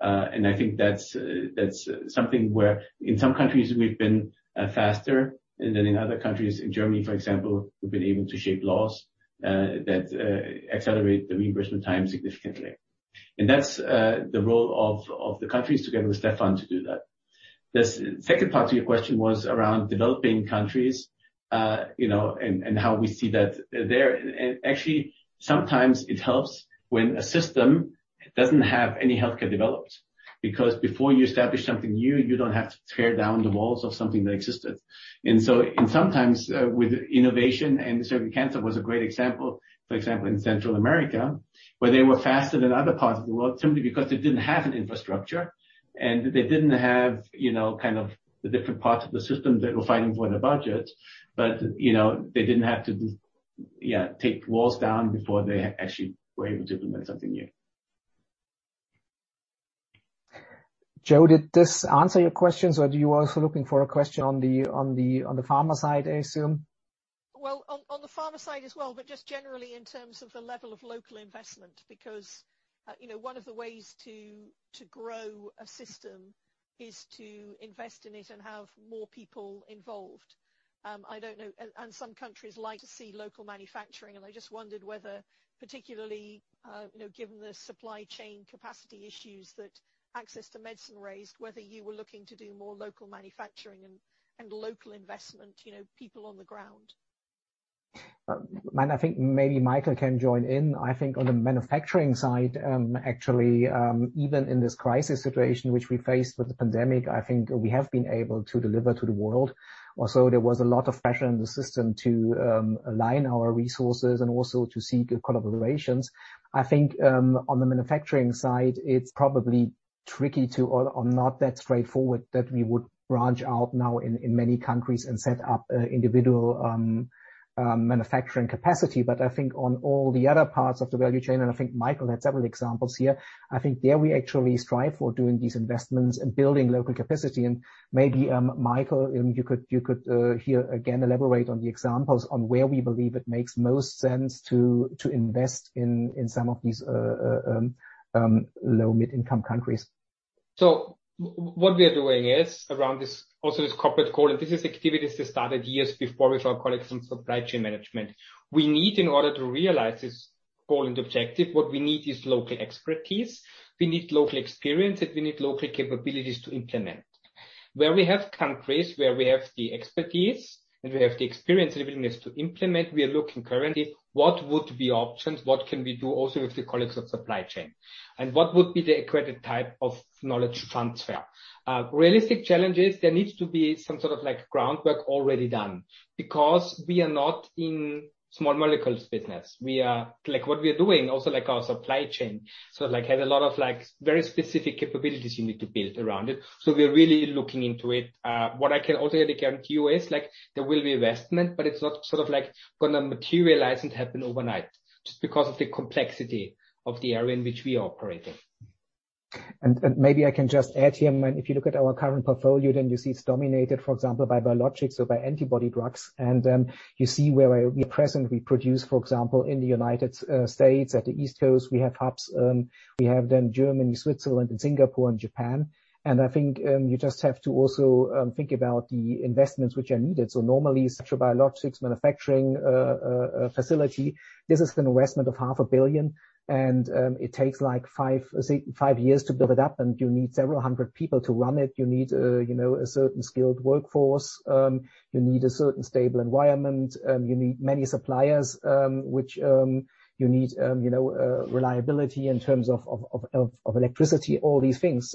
I think that's something where in some countries we've been faster, and then in other countries, in Germany, for example, we've been able to shape laws that accelerate the reimbursement time significantly. That's the role of the countries together with Stefan to do that. The second part to your question was around developing countries, you know, and how we see that there. Actually sometimes it helps when a system doesn't have any healthcare developed, because before you establish something new, you don't have to tear down the walls of something that existed. Sometimes with innovation, and cervical cancer was a great example. For example, in Central America, where they were faster than other parts of the world simply because they didn't have an infrastructure and they didn't have, you know, kind of the different parts of the system that were fighting for the budget. You know, they didn't have to, yeah, take walls down before they actually were able to implement something new. Jo, did this answer your questions or do you also looking for a question on the pharma side, I assume? Well, on the pharma side as well, but just generally in terms of the level of local investment, because you know, one of the ways to grow a system is to invest in it and have more people involved. I don't know. Some countries like to see local manufacturing, and I just wondered whether particularly you know, given the supply chain capacity issues that access to medicine raised, whether you were looking to do more local manufacturing and local investment, you know, people on the ground. I think maybe Michael can join in. I think on the manufacturing side, actually, even in this crisis situation which we faced with the pandemic, I think we have been able to deliver to the world. Also, there was a lot of pressure in the system to align our resources and also to seek collaborations. I think on the manufacturing side, it's probably tricky, or not that straightforward that we would branch out now in many countries and set up individual manufacturing capacity. I think on all the other parts of the value chain, and I think Michael had several examples here, I think there we actually strive for doing these investments and building local capacity. Maybe Michael, you could here again elaborate on the examples on where we believe it makes most sense to invest in some of these low- and middle-income countries. What we are doing is, around this, also this corporate call, and this is activities that started years before with our colleagues from supply chain management. We need in order to realize this goal and objective, what we need is local expertise. We need local experience, and we need local capabilities to implement. Where we have countries where we have the expertise and we have the experience and willingness to implement, we are looking currently what would be options, what can we do also with the colleagues of supply chain, and what would be the accurate type of knowledge transfer. Realistic challenges, there needs to be some sort of like groundwork already done, because we are not in small molecules business. Like, what we are doing, also like our supply chain. Like, has a lot of, like, very specific capabilities you need to build around it. We're really looking into it. What I can also guarantee you is, like, there will be investment, but it's not sort of like gonna materialize and happen overnight, just because of the complexity of the area in which we operate in. Maybe I can just add here. If you look at our current portfolio, then you see it's dominated, for example, by biologics or by antibody drugs. You see where we are present. We produce, for example, in the United States. At the East Coast, we have hubs. We have then Germany, Switzerland, Singapore and Japan. I think you just have to also think about the investments which are needed. Normally, such a biologics manufacturing facility, this is an investment of half a billion CHF, and it takes, like five years to build it up, and you need several hundred people to run it. You need a certain skilled workforce. You need a certain stable environment. You need many suppliers, which you need, you know, reliability in terms of electricity, all these things.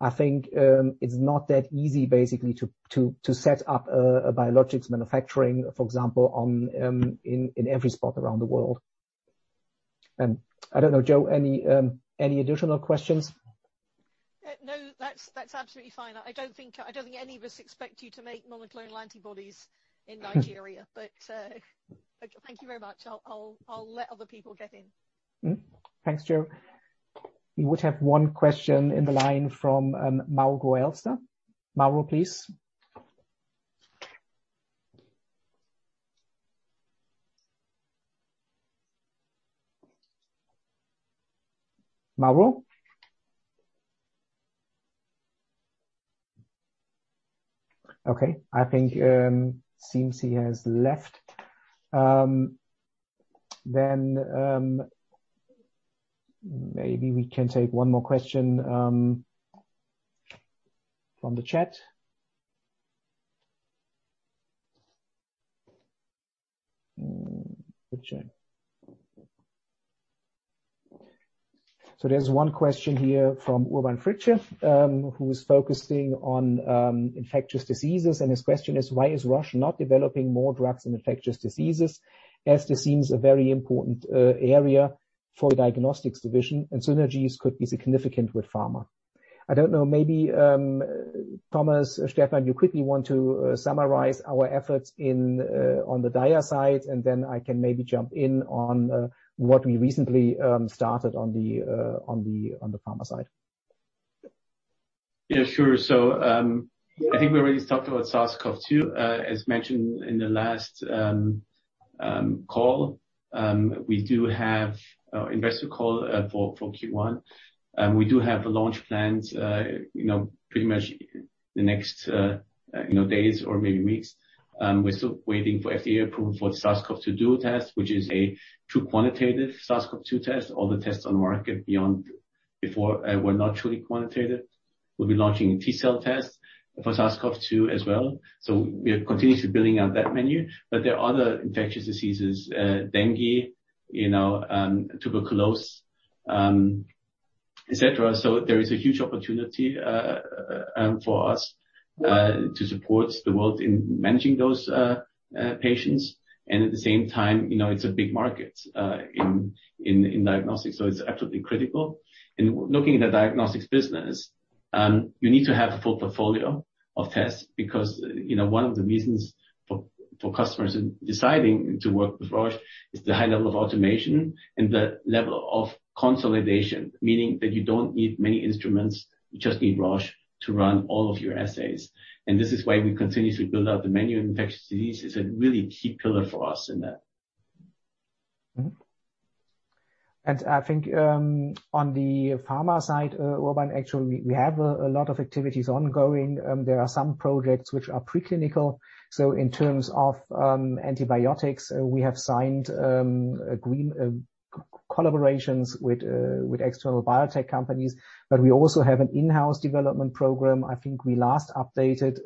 I think it's not that easy basically to set up a biologics manufacturing, for example, in every spot around the world. I don't know, Jo, any additional questions? No, that's absolutely fine. I don't think any of us expect you to make monoclonal antibodies in Nigeria. Thank you very much. I'll let other people get in. Thanks, Jo. We would have one question on the line from Mauro Alster. Mauro, please. Mauro? Okay. I think he seems to have left. Maybe we can take one more question from the chat. There's one question here from Urban Fritsche, who's focusing on infectious diseases, and his question is, "Why is Roche not developing more drugs in infectious diseases, as this seems a very important area for the diagnostics division, and synergies could be significant with pharma?" I don't know, maybe Thomas or Stefan, you quickly want to summarize our efforts on the Dia side, and then I can maybe jump in on what we recently started on the pharma side. Yeah, sure. I think we already talked about SARS-CoV-2. As mentioned in the last call. We do have investor call for Q1. We do have launch plans, you know, pretty much the next days or maybe weeks. We're still waiting for FDA approval for the cobas SARS-CoV-2 Duo, which is a dual quantitative SARS-CoV-2 test. All the tests on the market before were not truly quantitative. We'll be launching a T-cell test for SARS-CoV-2 as well. We are continuously building out that menu. There are other infectious diseases, dengue, you know, tuberculosis, et cetera. There is a huge opportunity for us to support the world in managing those patients. At the same time, you know, it's a big market in diagnostics, so it's absolutely critical. In looking at the diagnostics business, you need to have a full portfolio of tests because, you know, one of the reasons for customers in deciding to work with Roche is the high level of automation and the level of consolidation. Meaning that you don't need many instruments, you just need Roche to run all of your assays. This is why we continuously build out the menu. Infectious disease is a really key pillar for us in that. Mm-hmm. I think on the pharma side, Urban, actually, we have a lot of activities ongoing. There are some projects which are preclinical. In terms of antibiotics, we have signed collaborations with external biotech companies, but we also have an in-house development program. I think we last updated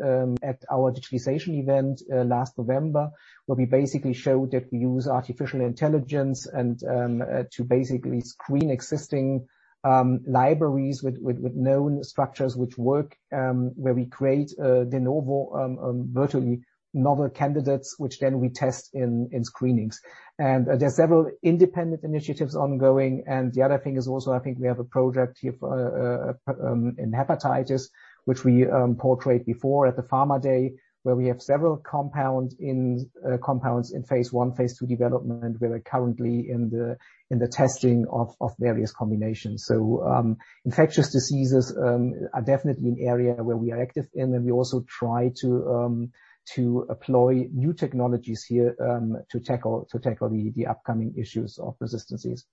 at our digitalization event last November, where we basically showed that we use artificial intelligence to basically screen existing libraries with known structures which work, where we create de novo virtually novel candidates which then we test in screenings. There's several independent initiatives ongoing. The other thing is also, I think we have a project here for in hepatitis, which we portrayed before at the Pharma Day, where we have several compounds in phase I, phase II development, where we're currently in the testing of various combinations. Infectious diseases are definitely an area where we are active in, and we also try to employ new technologies here to tackle the upcoming issues of resistances.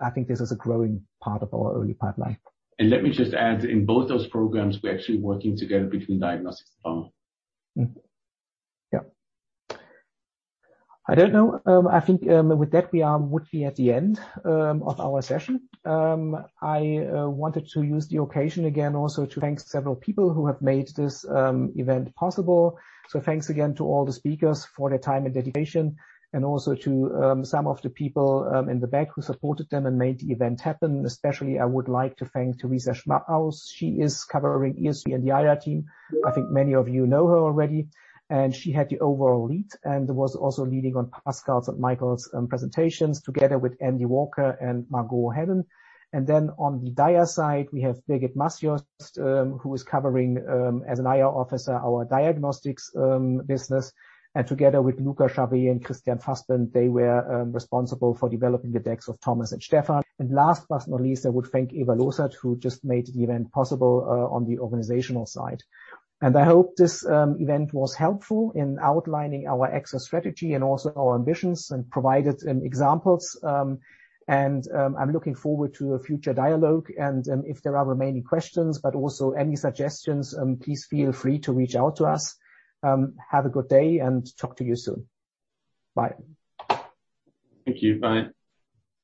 I think this is a growing part of our early pipeline. Let me just add, in both those programs, we're actually working together between diagnostics and pharma. I don't know. I think with that, we would be at the end of our session. I wanted to use the occasion again also to thank several people who have made this event possible. Thanks again to all the speakers for their time and dedication and also to some of the people in the back who supported them and made the event happen. Especially, I would like to thank Teresa Schmaus. She is covering ESG and the IR team. I think many of you know her already, and she had the overall lead and was also leading on Pascale's and Michael's presentations together with Andy Walker and Margot Helin. On the Dia side, we have Birgit Masjost, who is covering, as an IR officer, our diagnostics business, and together with Luca Ciabi and Christian Tussmann, they were responsible for developing the decks of Thomas and Stefan. Last but not least, I would thank Eva Losert, who just made the event possible, on the organizational side. I hope this event was helpful in outlining our access strategy and also our ambitions and provided some examples. I'm looking forward to a future dialogue and, if there are remaining questions, but also any suggestions, please feel free to reach out to us. Have a good day, and talk to you soon. Bye. Thank you. Bye.